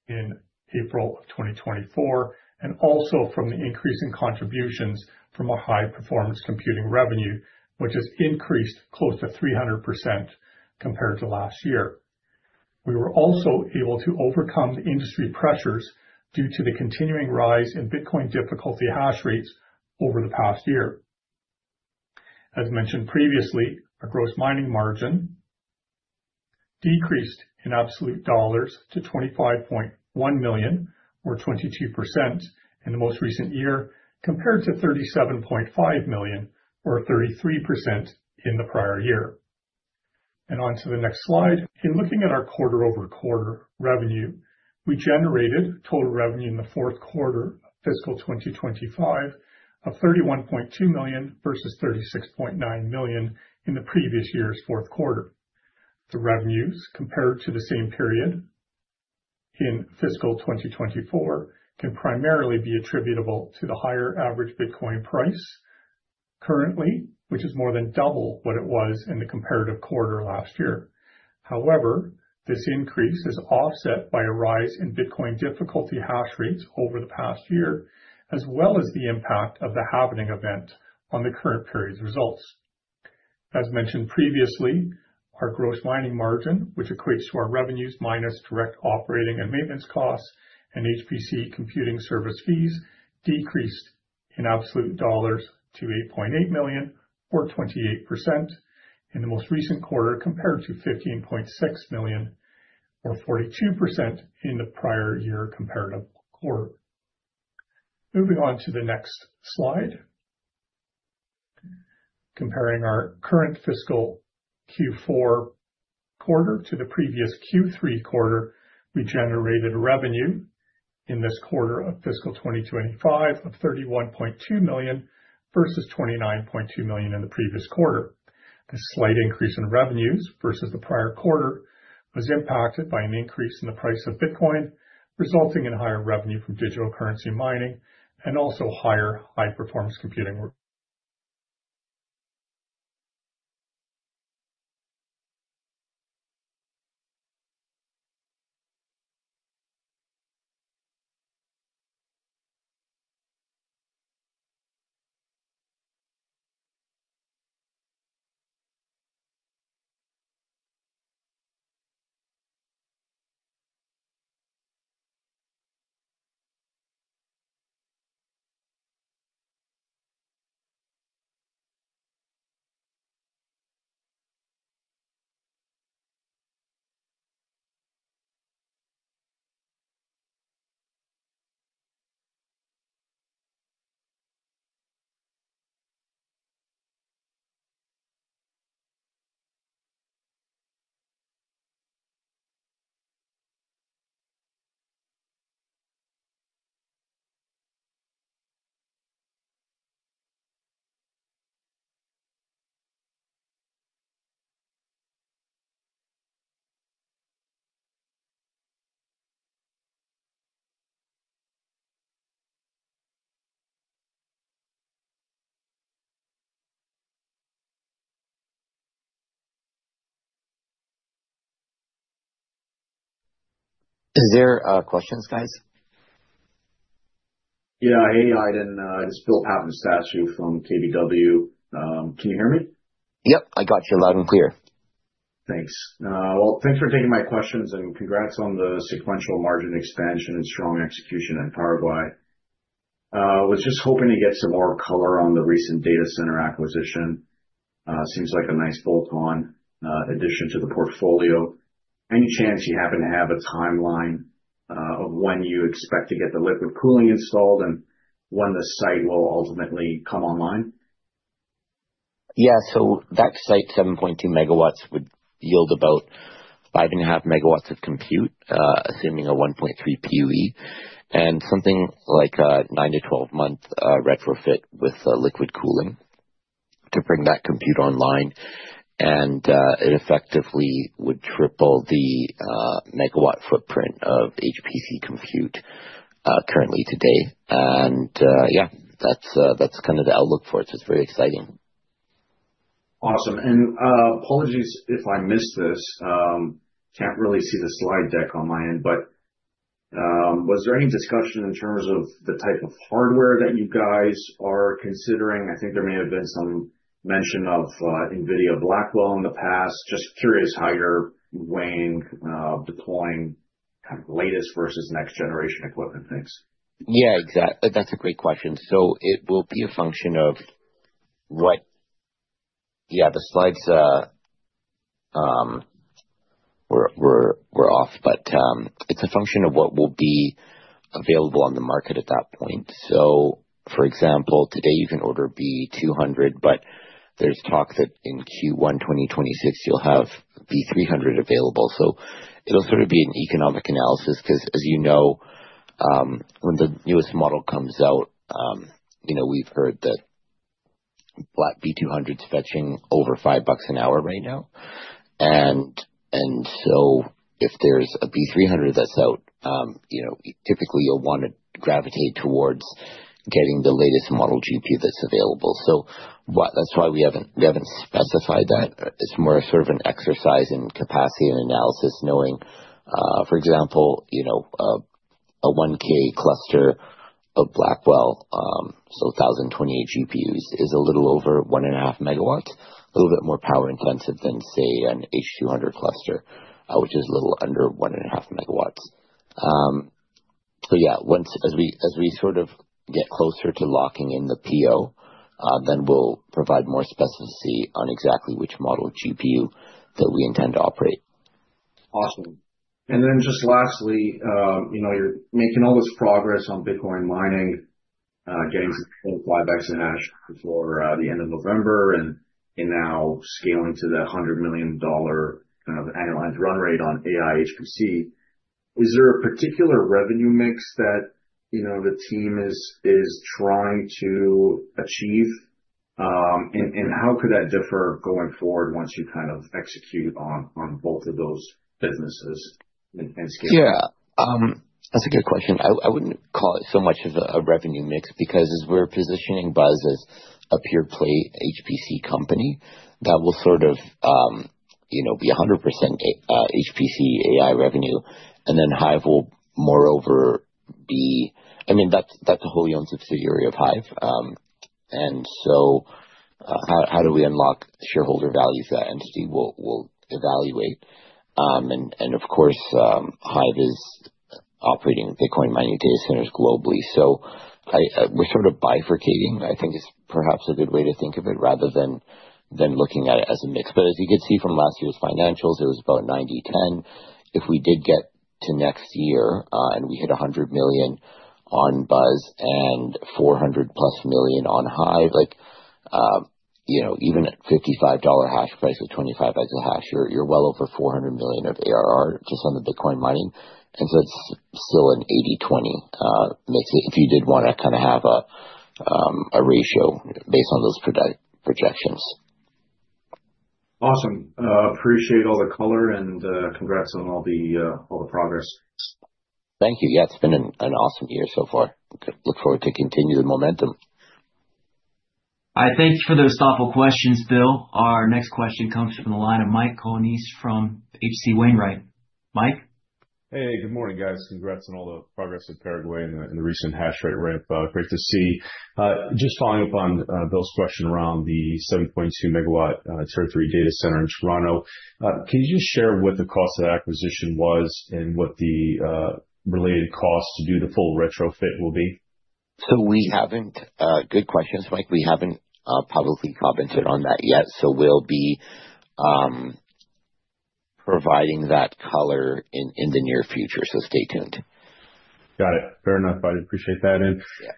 in April of 2024 and also from the increase in contributions from our high-performance computing revenue, which has increased close to 300% compared to last year. We were also able to overcome the industry pressures due to the continuing rise in Bitcoin difficulty HASH rates over the past year. As mentioned previously, our gross mining margin decreased in absolute dollars to $25.1 million, or 22%, in the most recent year compared to $37.5 million, or 33%, in the prior year. In looking at our quarter-over-quarter revenue, we generated total revenue in the fourth quarter of fiscal 2025 of $31.2 million versus $36.9 million in the previous year's fourth quarter. The revenues compared to the same period in fiscal year 2024 can primarily be attributable to the higher average Bitcoin price currently, which is more than double what it was in the comparative quarter last year. However, this increase is offset by a rise in Bitcoin difficulty HASH rates over the past year, as well as the impact of the halving event on the current period's results. As mentioned previously, our gross mining margin, which equates to our revenues minus direct operating and maintenance costs and HPC computing service fees, decreased in absolute dollars to $8.8 million, or 28%, in the most recent quarter compared to $15.6 million, or 42%, in the prior year comparative quarter. Moving on to the next slide. Comparing our current fiscal year Q4 quarter to the previous Q3 quarter, we generated revenue in this quarter of fiscal year 2025 of $31.2 million versus $29.2 million in the previous quarter. This slight increase in revenues versus the prior quarter was impacted by an increase in the price of Bitcoin, resulting in higher revenue from digital currency mining and also higher high-performance computing. Is there questions, guys? Yeah, hey, I'm just Bill Papanastasiou from KBW. Can you hear me? Yep, I got you loud and clear. Thanks. Thanks for taking my questions and congrats on the sequential margin expansion and strong execution in Paraguay. I was just hoping to get some more color on the recent data center acquisition. Seems like a nice bolt-on addition to the portfolio. Any chance you happen to have a timeline of when you expect to get the liquid cooling installed and when the site will ultimately come online? Yeah, so that site, 7.2 MW, would yield about 5.5 MW of compute, assuming a 1.3 PUE and something like a 9-12 month retrofit with liquid cooling to bring that compute online. It effectively would triple the MW footprint of HPC compute currently today. Yeah, that's kind of the outlook for it. It's very exciting. Awesome. Apologies if I missed this. I can't really see the slide deck on my end, but was there any discussion in terms of the type of hardware that you guys are considering? I think there may have been some mention of NVIDIA Blackwell in the past. Just curious how you're weighing deploying kind of latest versus next-generation equipment things. Yeah, exactly. That's a great question. It will be a function of what—yeah, the slides were off, but it's a function of what will be available on the market at that point. For example, today, you can order NVIDIA DGX B200, but there's talk that in Q1 2026, you'll have NVIDIA DGX B300 available. It'll sort of be an economic analysis because, as you know, when the newest model comes out, we've heard that NVIDIA DGX B200 is fetching over $5 an hour right now. If there is a NVIDIA DGX B300 that is out, typically, you will want to gravitate towards getting the latest model GPU that is available. That is why we have not specified that. It is more sort of an exercise in capacity and analysis, knowing, for example, a 1K cluster of Blackwell, so 1,028 GPUs, is a little over 1.5 MW, a little bit more power-intensive than, say, an H200 cluster, which is a little under 1.5 MW. As we sort of get closer to locking in the PO, then we will provide more specificity on exactly which model of GPU that we intend to operate. Awesome. And then just lastly, you are making all this progress on Bitcoin mining, getting some 45X in HASH before the end of November, and now scaling to the $100 million kind of annualized run rate on AI HPC. Is there a particular revenue mix that the team is trying to achieve? And how could that differ going forward once you kind of execute on both of those businesses and scale? Yeah, that's a good question. I wouldn't call it so much of a revenue mix because we're positioning Buzz as a pure-play HPC company that will sort of be 100% HPC-AI revenue, and then HIVE will, moreover, be—I mean, that's a wholly owned subsidiary of HIVE. And how do we unlock shareholder values of that entity? We'll evaluate. Of course, HIVE is operating Bitcoin mining data centers globally. We're sort of bifurcating. I think it's perhaps a good way to think of it rather than looking at it as a mix. As you could see from last year's financials, it was about 90/10. If we did get to next year and we hit $100 million on Buzz and $400 million-plus on HIVE, even at $55 HASH price with 25X of HASH, you're well over $400 million of ARR just on the Bitcoin mining. And so it's still an 80/20 mix. If you did want to kind of have a ratio based on those projections. Awesome. Appreciate all the color and congrats on all the progress. Thank you. Yeah, it's been an awesome year so far. Look forward to continued momentum. All right, thank you for those thoughtful questions, Bill. Our next question comes from the line of Mike Colonnese from HC Wainwright. Mike? Hey, good morning, guys. Congrats on all the progress in Paraguay and the recent HASH rate ramp. Great to see. Just following up on Bill's question around the 7.2 MW Territory Data Center in Toronto, can you just share what the cost of acquisition was and what the related cost to do the full retrofit will be? We haven't—good questions, Mike. We haven't publicly commented on that yet. We'll be providing that color in the near future. Stay tuned. Got it. Fair enough. I appreciate that.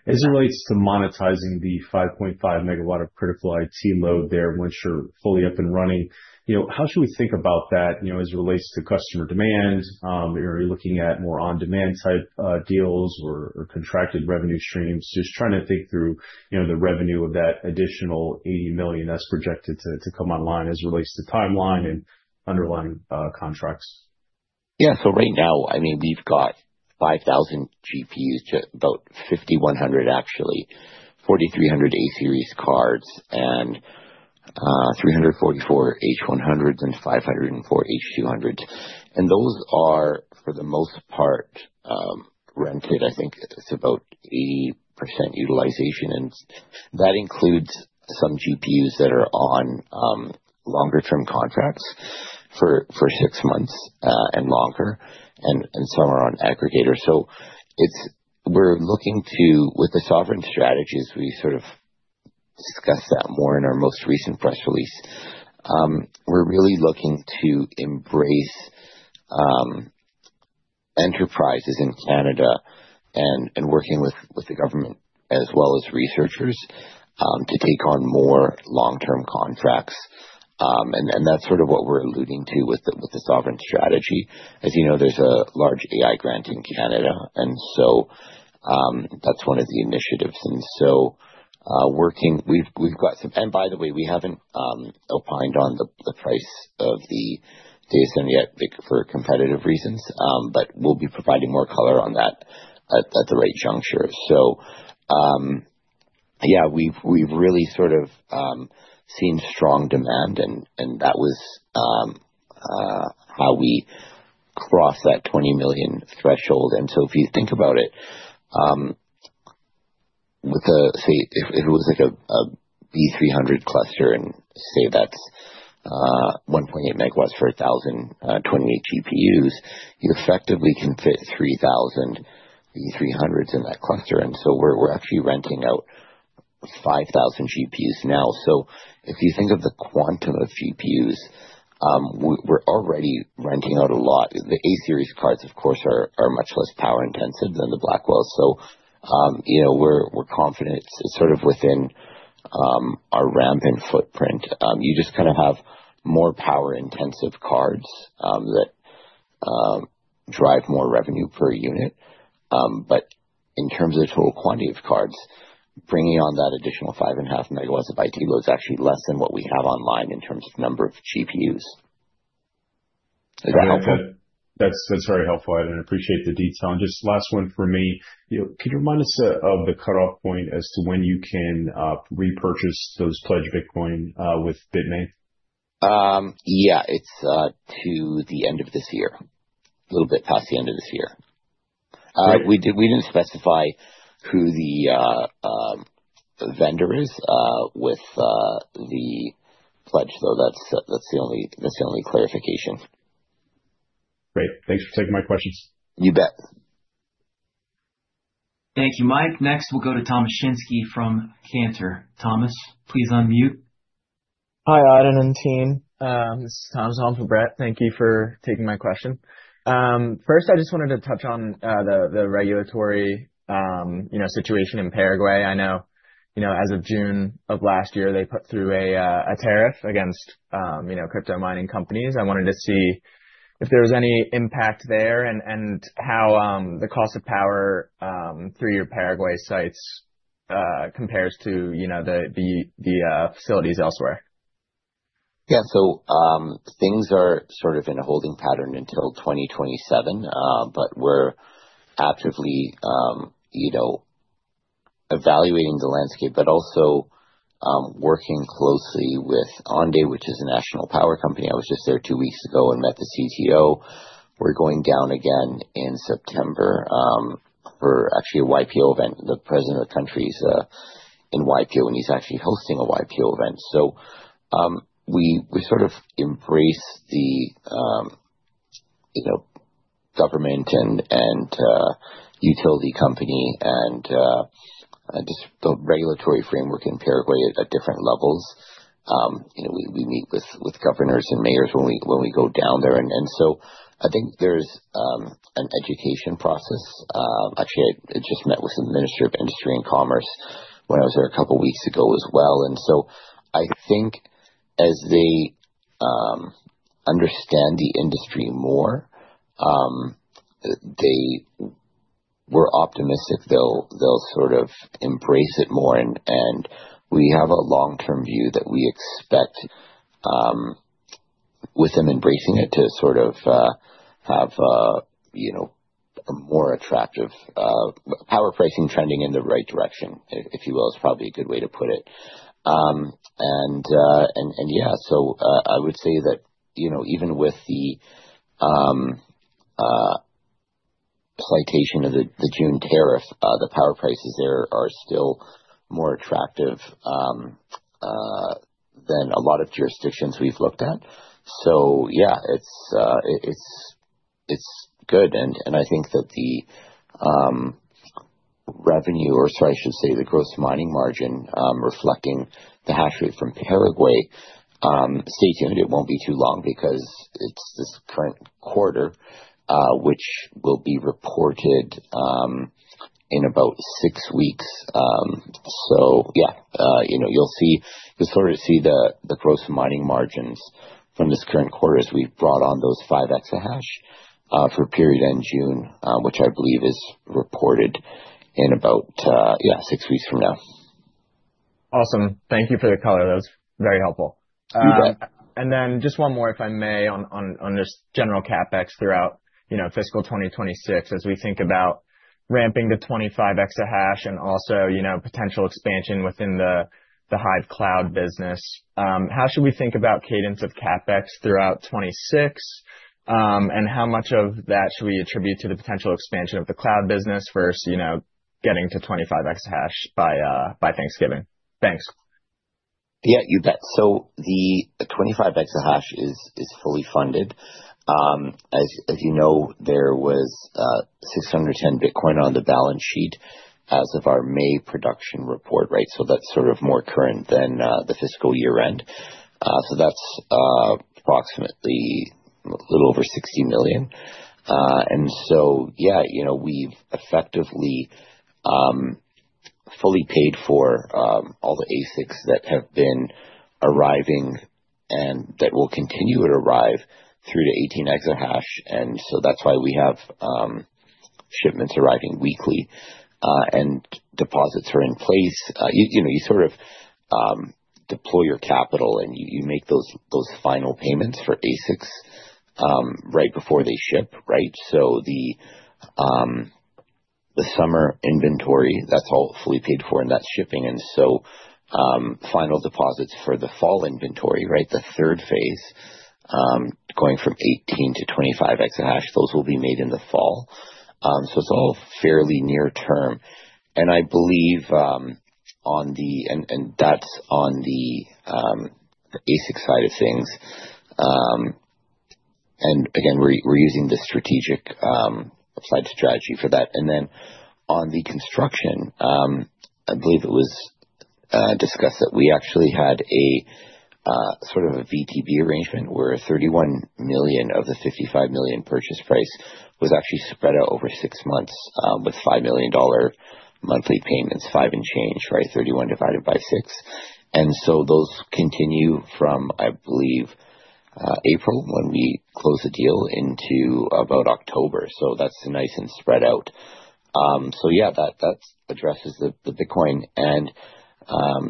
As it relates to monetizing the 5.5 MW of critical IT load there once you're fully up and running, how should we think about that as it relates to customer demand? Are you looking at more on-demand type deals or contracted revenue streams? Just trying to think through the revenue of that additional $80 million that's projected to come online as it relates to timeline and underlying contracts. Yeah, so right now, I mean, we've got 5,000 GPUs, about 5,100 actually, 4,300 A-series cards, and 344 NVIDIA H100s and 504 NVIDIA H200s. Those are, for the most part, rented. I think it's about 80% utilization. That includes some GPUs that are on longer-term contracts for six months and longer, and some are on aggregator. We're looking to, with the sovereign strategies, we sort of discussed that more in our most recent press release. We're really looking to embrace enterprises in Canada and working with the government as well as researchers to take on more long-term contracts. That's sort of what we're alluding to with the sovereign strategy. As you know, there's a large AI grant in Canada. That's one of the initiatives.m We have got some—and by the way, we have not opined on the price of the data center yet for competitive reasons, but we will be providing more color on that at the right juncture. We have really sort of seen strong demand, and that was how we crossed that $20 million threshold. If you think about it, say if it was like a NVIDIA DGX B300 cluster and say that is 1.8 MW for 1,028 GPUs, you effectively can fit 3,000 NVIDIA DGX B300s in that cluster. We are actually renting out 5,000 GPUs now. If you think of the quantum of GPUs, we are already renting out a lot. The A-series cards, of course, are much less power-intensive than the Blackwells. We are confident it is sort of within our ramp and footprint. You just kind of have more power-intensive cards that drive more revenue per unit. In terms of the total quantity of cards, bringing on that additional 5.5 MW of IT load is actually less than what we have online in terms of number of GPUs. Is that helpful? That's very helpful. I appreciate the detail. Just last one for me, could you remind us of the cutoff point as to when you can repurchase those pledged Bitcoin with Bitmain? Yeah, it's to the end of this year, a little bit past the end of this year. We did not specify who the vendor is with the pledge, though. That's the only clarification. Great. Thanks for taking my questions. You bet. Thank you, Mike. Next, we'll go to Thomas Shinsky from Cantor. Thomas, please unmute. Hi, Aydin and team. This is Thomas [for] Brett. Thank you for taking my question. First, I just wanted to touch on the regulatory situation in Paraguay. I know as of June of last year, they put through a tariff against crypto mining companies. I wanted to see if there was any impact there and how the cost of power through your Paraguay sites compares to the facilities elsewhere. Yeah, so things are sort of in a holding pattern until 2027, but we're actively evaluating the landscape, but also working closely with ANDE, which is a national power company. I was just there two weeks ago and met the CTO. We're going down again in September for actually a YPO event. The president of the country is in YPO, and he's actually hosting a YPO event. We sort of embrace the government and utility company and just the regulatory framework in Paraguay at different levels. We meet with governors and mayors when we go down there. I think there's an education process. Actually, I just met with the Minister of Industry and Commerce when I was there a couple of weeks ago as well. I think as they understand the industry more, they were optimistic they'll sort of embrace it more. We have a long-term view that we expect with them embracing it to sort of have a more attractive power pricing trending in the right direction, if you will, is probably a good way to put it. I would say that even with the citation of the June tariff, the power prices there are still more attractive than a lot of jurisdictions we've looked at. It's good. I think that the revenue, or sorry, I should say the gross mining margin reflecting the HASH rate from Paraguay, stay tuned. It will not be too long because it is this current quarter, which will be reported in about six weeks. Yeah, you will sort of see the gross mining margins from this current quarter as we brought on those 5 EH/s for period end June, which I believe is reported in about, yeah, six weeks from now. Awesome. Thank you for the color. That was very helpful. You bet. Just one more, if I may, on just general CapEx throughout fiscal year 2026, as we think about ramping to 25 EH and also potential expansion within the HIVE cloud business. How should we think about cadence of CapEx throughout 2026? How much of that should we attribute to the potential expansion of the cloud business versus getting to 25 EH by Thanksgiving? Thanks. Yeah, you bet. The 25 EH/s is fully funded. As you know, there was 610 Bitcoin on the balance sheet as of our May production report, right? That is sort of more current than the fiscal year-end. That is approximately a little over $60 million. Yeah, we have effectively fully paid for all the ASICs that have been arriving and that will continue to arrive through to 18X of HASH. That is why we have shipments arriving weekly. Deposits are in place. You sort of deploy your capital, and you make those final payments for ASICs right before they ship, right? The summer inventory, that is all fully paid for, and that is shipping. Final deposits for the fall inventory, the third phase, going from 18-25X of HASH, those will be made in the fall. It is all fairly near term. I believe on the—and that's on the ASIC side of things. Again, we're using the strategic applied strategy for that. On the construction, I believe it was discussed that we actually had sort of a VTB arrangement where $31 million of the $55 million purchase price was actually spread out over six months with $5 million monthly payments, five and change, right? Thirty-one divided by six. Those continue from, I believe, April when we close the deal into about October. That is nice and spread out. Yeah, that addresses the Bitcoin.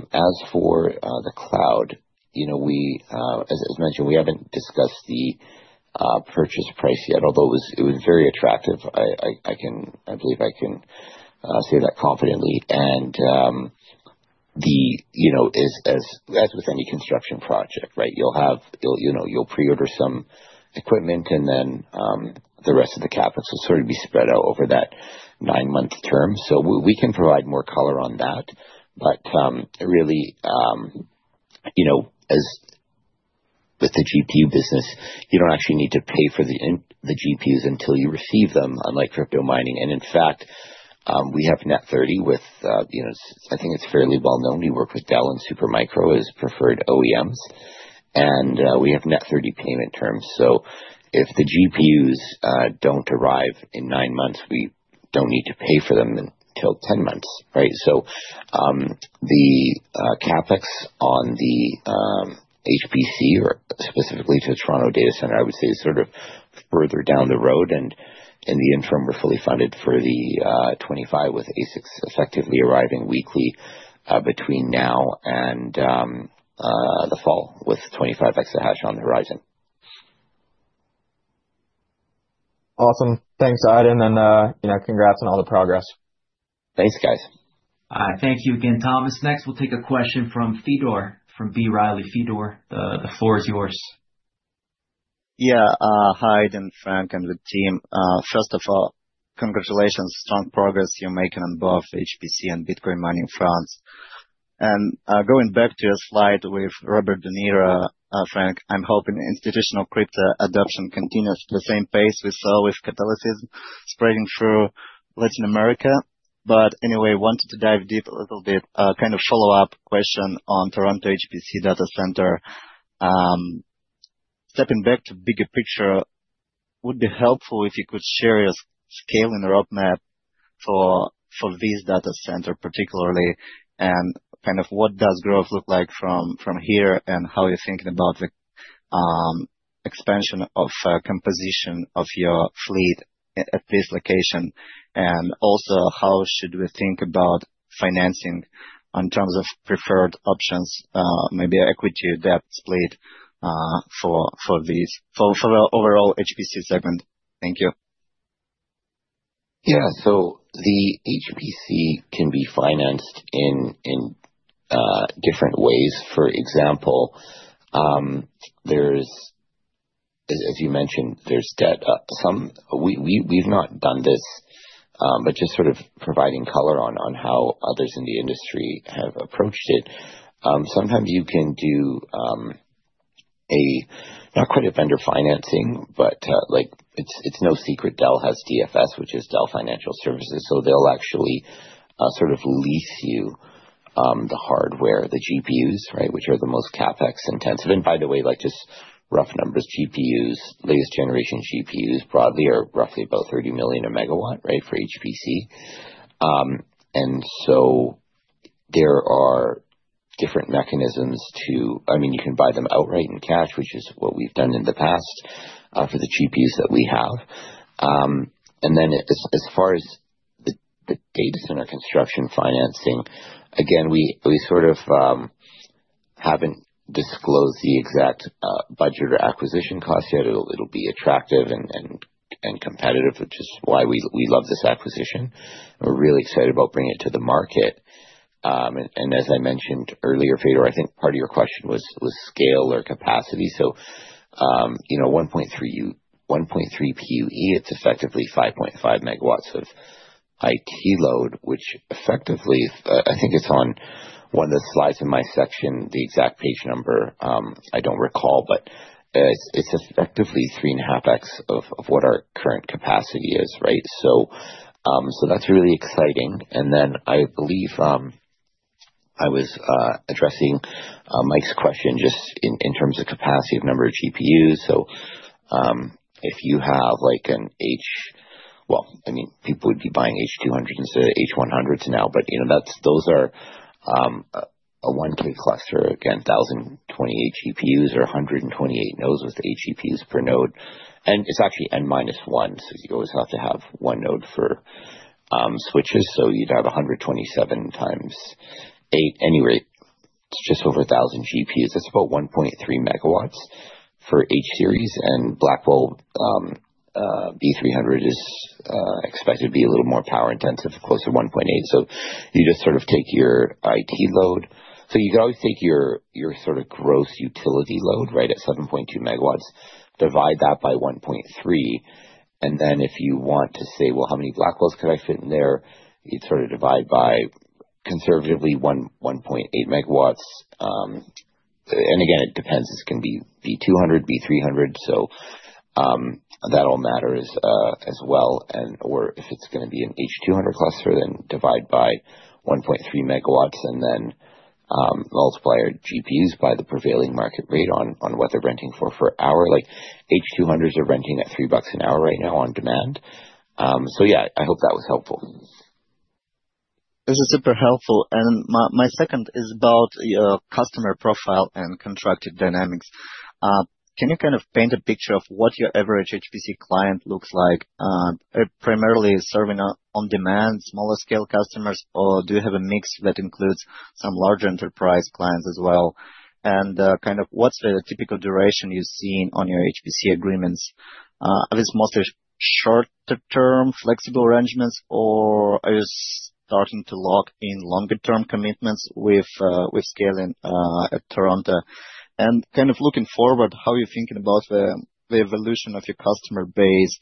As for the cloud, as mentioned, we haven't discussed the purchase price yet, although it was very attractive. I believe I can say that confidently. As with any construction project, right, you'll preorder some equipment, and then the rest of the CapEx will sort of be spread out over that nine-month term. We can provide more color on that. Really, with the GPU business, you do not actually need to pay for the GPUs until you receive them, unlike crypto mining. In fact, we have Net 30 with—I think it is fairly well known. We work with Dell and Supermicro as preferred OEMs. We have Net 30 payment terms. If the GPUs do not arrive in nine months, we do not need to pay for them until 10 months, right? The CapEx on the HPC, or specifically to the Toroto Data Center, I would say is sort of further down the road. In the interim, we're fully funded for the 25 with ASICs effectively arriving weekly between now and the fall with 25X of HASH on the horizon. Awesome. Thanks, Aydin. And congrats on all the progress. Thanks, guys. Thank you again, Thomas. Next, we'll take a question from Fedor from B. Riley. Fedor, the floor is yours. Yeah, Hi, Aydin and Frank and the team. First of all, congratulations. Strong progress you're making on both HPC and Bitcoin mining fronts. Going back to your slide with Robert De Niro, Frank, I'm hoping institutional crypto adoption continues at the same pace we saw with catalysis spreading through Latin America. Anyway, wanted to dive deep a little bit. Kind of follow-up question on Toronto HPC Data Center. Stepping back to the bigger picture, it would be helpful if you could share your scale and roadmap for this data center particularly. Kind of what does growth look like from here and how you're thinking about the expansion of composition of your fleet at this location? Also, how should we think about financing in terms of preferred options, maybe equity or debt split for the overall HPC segment? Thank you. Yeah, so the HPC can be financed in different ways. For example, as you mentioned, there's debt. We've not done this, but just sort of providing color on how others in the industry have approached it. Sometimes you can do not quite a vendor financing, but it's no secret Dell has DFS, which is Dell Financial Services. They'll actually sort of lease you the hardware, the GPUs, right, which are the most CapEx intensive. By the way, just rough numbers, GPUs, latest generation GPUs broadly are roughly about $30 million a MW, right, for HPC. There are different mechanisms to—I mean, you can buy them outright in cash, which is what we've done in the past for the GPUs that we have. As far as the data center construction financing, again, we sort of haven't disclosed the exact budget or acquisition cost yet. It will be attractive and competitive, which is why we love this acquisition. We're really excited about bringing it to the market. As I mentioned earlier, Fedor, I think part of your question was scale or capacity. 1.3 PUE, it's effectively 5.5 MW of IT load, which effectively—I think it's on one of the slides in my section, the exact page number I don't recall, but it's effectively 3.5X of what our current capacity is, right? That's really exciting. I believe I was addressing Mike's question just in terms of capacity of number of GPUs. If you have an H—well, I mean, people would be buying NVIDIA H200s and NVIDIA H100s now, but those are a 1K cluster. Again, 1,028 GPUs or 128 nodes with 8 GPUs per node. It is actually N minus 1, so you always have to have one node for switches. You would have 127 times 8. Anyway, it is just over 1,000 GPUs. That is about 1.3 MW for H series. Blackwell NVIDIA DGX B300 is expected to be a little more power intensive, close to 1.8. You just sort of take your IT load. You could always take your sort of gross utility load, right, at 7.2 MW, divide that by 1.3. If you want to say, "How many Blackwells could I fit in there?" you'd sort of divide by, conservatively, 1.8 MW. Again, it depends. This can be NVIDIA DGX B200, NVIDIA DGX B300. That all matters as well. If it's going to be an H200 cluster, then divide by 1.3 MW and then multiply our GPUs by the prevailing market rate on what they're renting for per hour. NVIDIA H200s are renting at $3 an hour right now on demand. I hope that was helpful. This is super helpful. My second is about your customer profile and contracted dynamics. Can you kind of paint a picture of what your average HPC client looks like? Primarily serving on-demand, smaller-scale customers, or do you have a mix that includes some larger enterprise clients as well? Kind of what's the typical duration you've seen on your HPC agreements? Are these mostly short-term flexible arrangements, or are you starting to lock in longer-term commitments with scaling at Toronto? Kind of looking forward, how are you thinking about the evolution of your customer base?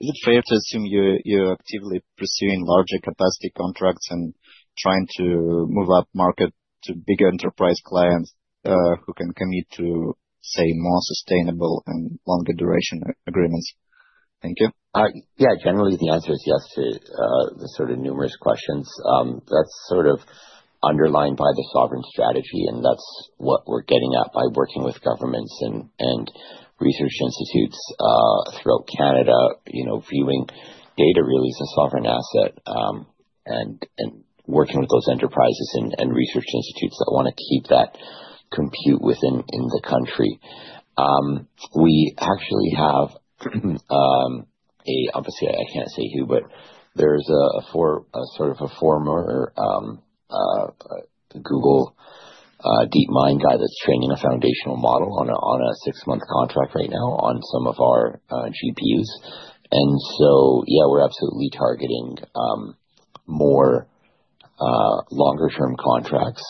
Is it fair to assume you're actively pursuing larger capacity contracts and trying to move up market to bigger enterprise clients who can commit to, say, more sustainable and longer-duration agreements? Thank you. Yeah, generally, the answer is yes to the sort of numerous questions. That is sort of underlined by the sovereign strategy, and that is what we're getting at by working with governments and research institutes throughout Canada, viewing data really as a sovereign asset and working with those enterprises and research institutes that want to keep that compute within the country. We actually have a—obviously, I can't say who, but there's sort of a former Google DeepMind guy that's training a foundational model on a six-month contract right now on some of our GPUs. Yeah, we're absolutely targeting more longer-term contracts.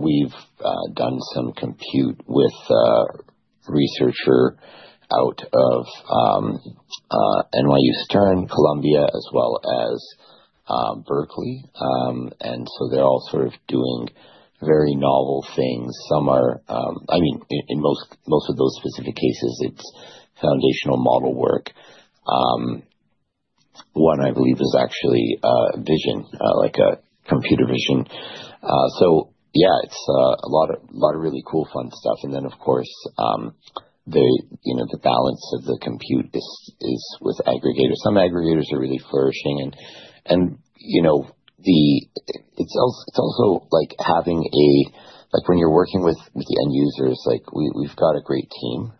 We've done some compute with a researcher out of NYU Stern, Columbia, as well as UC Berkeley. They're all sort of doing very novel things. I mean, in most of those specific cases, it's foundational model work. One, I believe, is actually a vision, like a computer vision. Yeah, it's a lot of really cool, fun stuff. Of course, the balance of the compute is with aggregators. Some aggregators are really flourishing. It's also like having a—like when you're working with the end users, we've got a great team.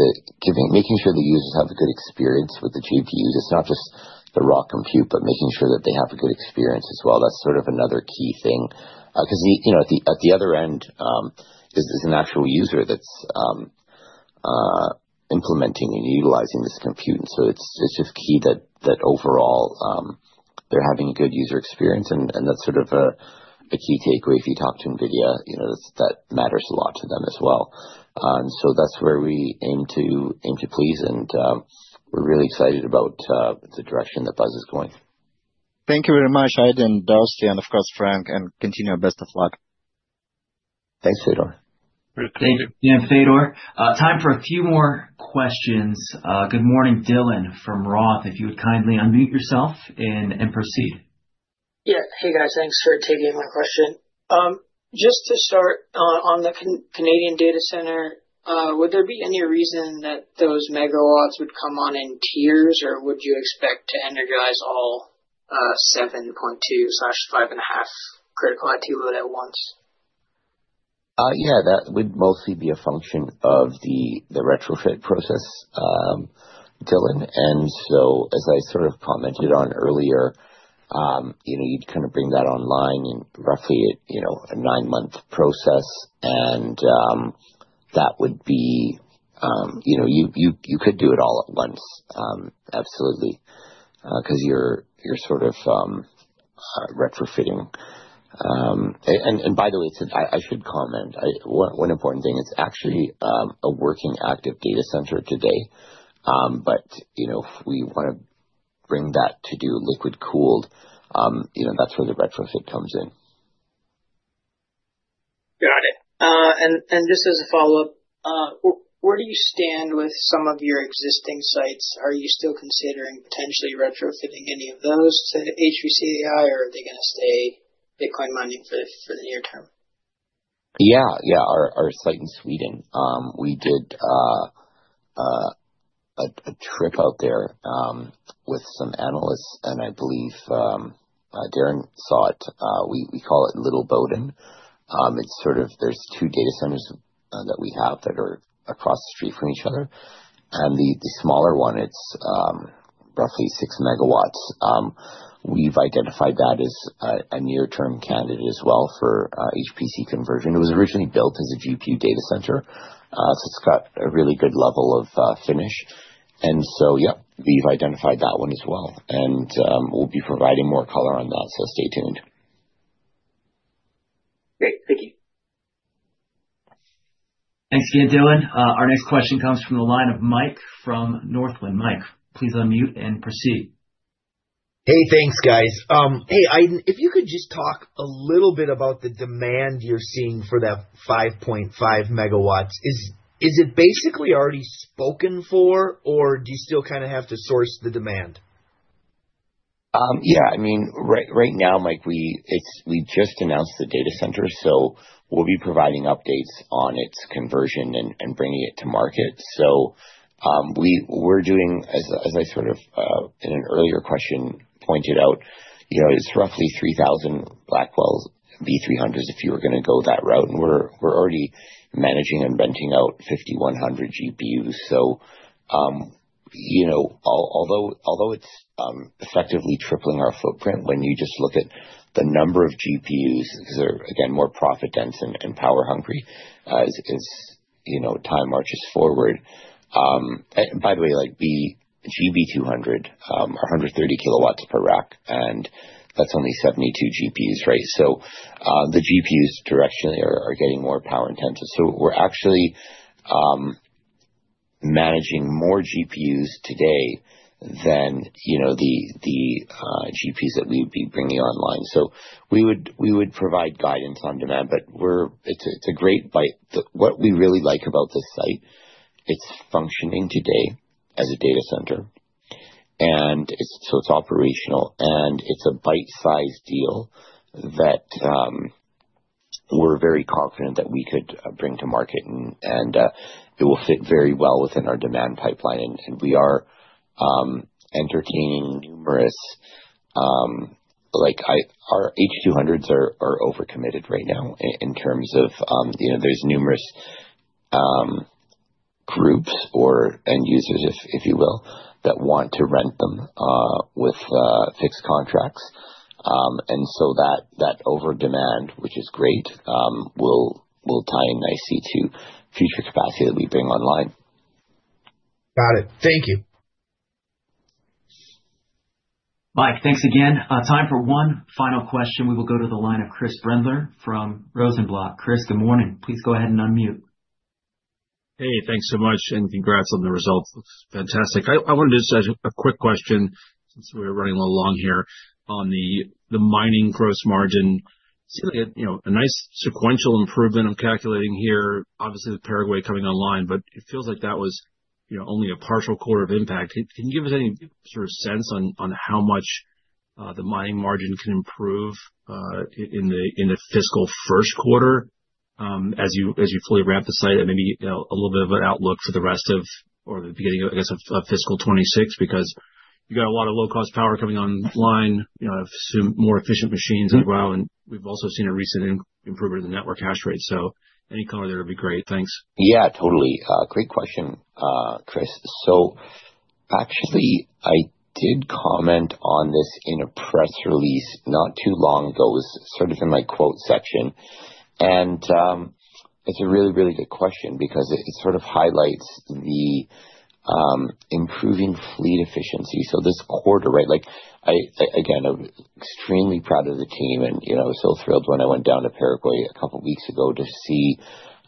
It's making sure the users have a good experience with the GPUs. It's not just the raw compute, but making sure that they have a good experience as well. That's sort of another key thing. Because at the other end is an actual user that's implementing and utilizing this compute. It is just key that overall they're having a good user experience. That's sort of a key takeaway. If you talk to NVIDIA, that matters a lot to them as well. That's where we aim to please. We're really excited about the direction that Buzz is going. Thank you very much, Aydin and Darcy, and of course, Frank. Continue your best of luck. Thanks, Fedor. Great to meet you, Aydin. Fedor, time for a few more questions. Good morning, Dylan from Roth. If you would kindly unmute yourself and proceed. Yeah. Hey, guys. Thanks for taking my question. Just to start, on the Canadian data center, would there be any reason that those MW would come on in tiers, or would you expect to energize all 7.2/5.5 critical IT load at once? Yeah, that would mostly be a function of the retrofit process, Dylan. As I sort of commented on earlier, you'd kind of bring that online in roughly a nine-month process. That would be—you could do it all at once, absolutely, because you're sort of retrofitting. By the way, I should comment one important thing. It's actually a working active data center today. If we want to bring that to do liquid-cooled, that's where the retrofit comes in. Got it. Just as a follow-up, where do you stand with some of your existing sites? Are you still considering potentially retrofitting any of those to HPC AI, or are they going to stay Bitcoin mining for the near term? Yeah, yeah. Our site in Sweden, we did a trip out there with some analysts. I believe Darren saw it. We call it Little Boden. There are two data centers that we have that are across the street from each other. The smaller one, it's roughly 6 MW. We've identified that as a near-term candidate as well for HPC conversion. It was originally built as a GPU Data Center. It has a really good level of finish. Yeah, we've identified that one as well. We'll be providing more color on that. Stay tuned. Great. Thank you. Thanks again, Dylan. Our next question comes from the line of Mike from Northwind. Mike, please unmute and proceed. Hey, thanks, guys. Hey, Aydin, if you could just talk a little bit about the demand you're seeing for that 5.5 MW, is it basically already spoken for, or do you still kind of have to source the demand? Yeah. I mean, right now, Mike, we just announced the data center. So we'll be providing updates on its conversion and bringing it to market. So we're doing, as I sort of in an earlier question pointed out, it's roughly 3,000 Blackwell NVIDIA DGX B300s if you were going to go that route. And we're already managing and renting out 5,100 GPUs. Although it's effectively tripling our footprint, when you just look at the number of GPUs, because they're, again, more profit-dense and power-hungry as time marches forward. By the way, NVIDIA DGX B200 are 130 kW per rack, and that's only 72 GPUs, right? The GPUs directionally are getting more power-intensive. We're actually managing more GPUs today than the GPUs that we would be bringing online. We would provide guidance on demand, but what we really like about this site, it's functioning today as a data center. It's operational. It's a bite-sized deal that we're very confident that we could bring to market. It will fit very well within our demand pipeline. We are entertaining numerous—our NVIDIA H200s are over-committed right now in terms of there's numerous groups or end users, if you will, that want to rent them with fixed contracts. That over-demand, which is great, will tie in nicely to future capacity that we bring online. Got it. Thank you. Mike, thanks again. Time for one final question. We will go to the line of Chris Brendler from Rosenblatt. Chris, good morning. Please go ahead and unmute. Hey, thanks so much. And congrats on the results. Fantastic. I wanted to just ask a quick question since we're running a little long here on the mining gross margin. It seemed like a nice sequential improvement. I'm calculating here, obviously, the Paraguay coming online, but it feels like that was only a partial quarter of impact. Can you give us any sort of sense on how much the mining margin can improve in the fiscal first quarter as you fully ramp the site and maybe a little bit of an outlook for the rest of or the beginning, I guess, of fiscal 2026? Because you got a lot of low-cost power coming online. I've assumed more efficient machines as well. And we've also seen a recent improvement in the network HASH rate. So any color there would be great. Thanks. Yeah, totally. Great question, Chris. Actually, I did comment on this in a press release not too long ago. It was sort of in my quote section. It is a really, really good question because it sort of highlights the improving fleet efficiency. This quarter, right? Again, I am extremely proud of the team. I was so thrilled when I went down to Paraguay a couple of weeks ago to see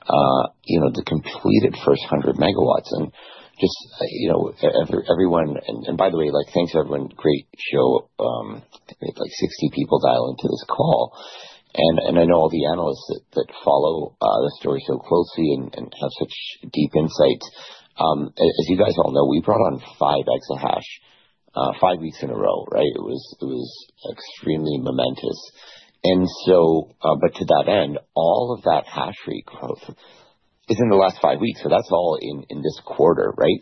the completed first 100 MW. Just everyone—and by the way, thanks to everyone. Great show. I think we had like 60 people dial into this call. I know all the analysts that follow the story so closely and have such deep insights. As you guys all know, we brought on 5 EH/s five weeks in a row, right? It was extremely momentous. To that end, all of that HASH rate growth is in the last five weeks. That is all in this quarter, right?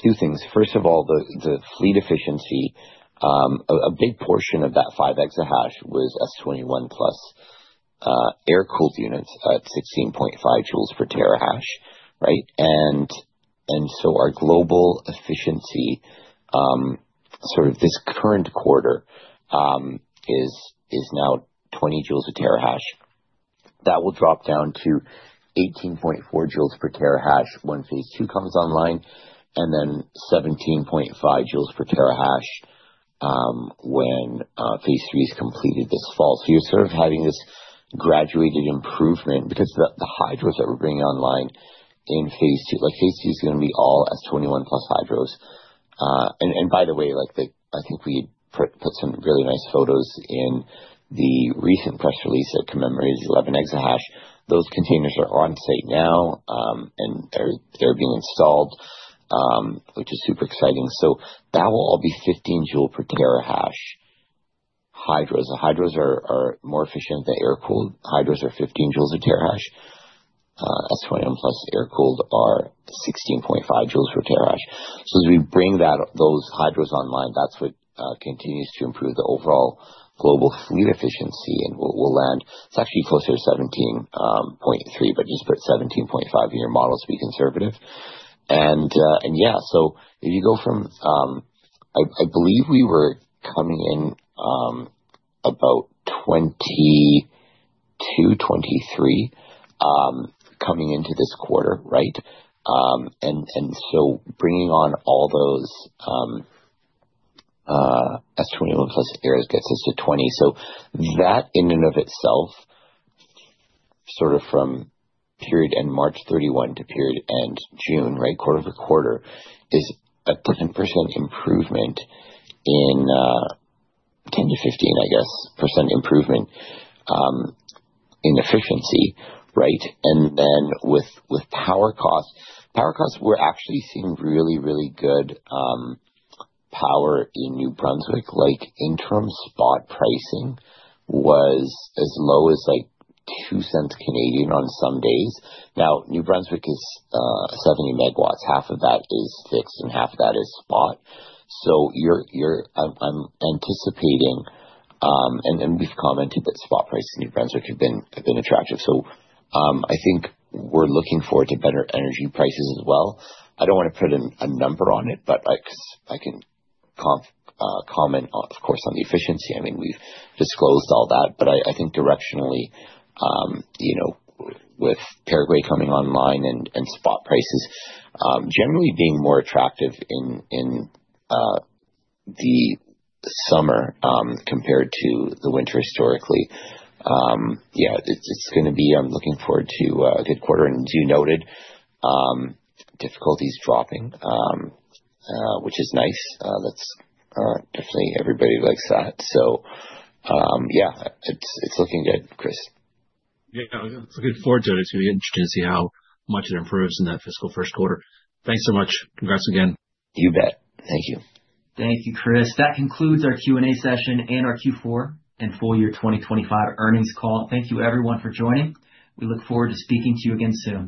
Two things. First of all, the fleet efficiency, a big portion of that 5 EH/s was S21+ air-cooled units at 16.5 J/TH, right? Our global efficiency for this current quarter is now 20 J/TH. That will drop down to 18.4 J/TH when phase two comes online, and then 17.5 J/TH when phase three is completed this fall. You are having this graduated improvement because the hydros that we are bringing online in phase two, phase two is going to be all S21+ Hyd. By the way, I think we put some really nice photos in the recent press release that commemorates 11 EH/s. Those containers are on site now, and they are being installed, which is super exciting. That will all be 15 J/TH hydros. The hydros are more efficient. The air-cooled hydros are 15 J/TH. S21+ air-cooled are 16.5 J/TH. As we bring those hydros online, that is what continues to improve the overall global fleet efficiency. We will land—it is actually closer to 17.3, but just put 17.5 in your model to be conservative. Yeah, if you go from—I believe we were coming in about 22, 23, coming into this quarter, right? Bringing on all those S21+ areas gets us to 20. That in and of itself, sort of from period end March 31 to period end June, right, quarter to quarter, is a 10% improvement in 10-15%, I guess, improvement in efficiency, right? With power costs, we are actually seeing really, really good power in New Brunswick. Interim spot pricing was as low as 0.02 on some days. Now, New Brunswick is 70 MW. Half of that is fixed, and half of that is spot. I am anticipating—and we have commented that spot prices in New Brunswick have been attractive. I think we are looking forward to better energy prices as well. I do not want to put a number on it, but I can comment, of course, on the efficiency. I mean, we have disclosed all that. I think directionally, with Paraguay coming online and spot prices generally being more attractive in the summer compared to the winter historically, it is going to be—I am looking forward to a good quarter. As you noted, difficulty is dropping, which is nice. Definitely, everybody likes that. Yeah, it's looking good, Chris. Yeah. Looking forward to it. It's going to be interesting to see how much it improves in that fiscal first quarter. Thanks so much. Congrats again. You bet. Thank you. Thank you, Chris. That concludes our Q&A session and our Q4 and Full Year 2025 Earnings Call. Thank you, everyone, for joining. We look forward to speaking to you again soon.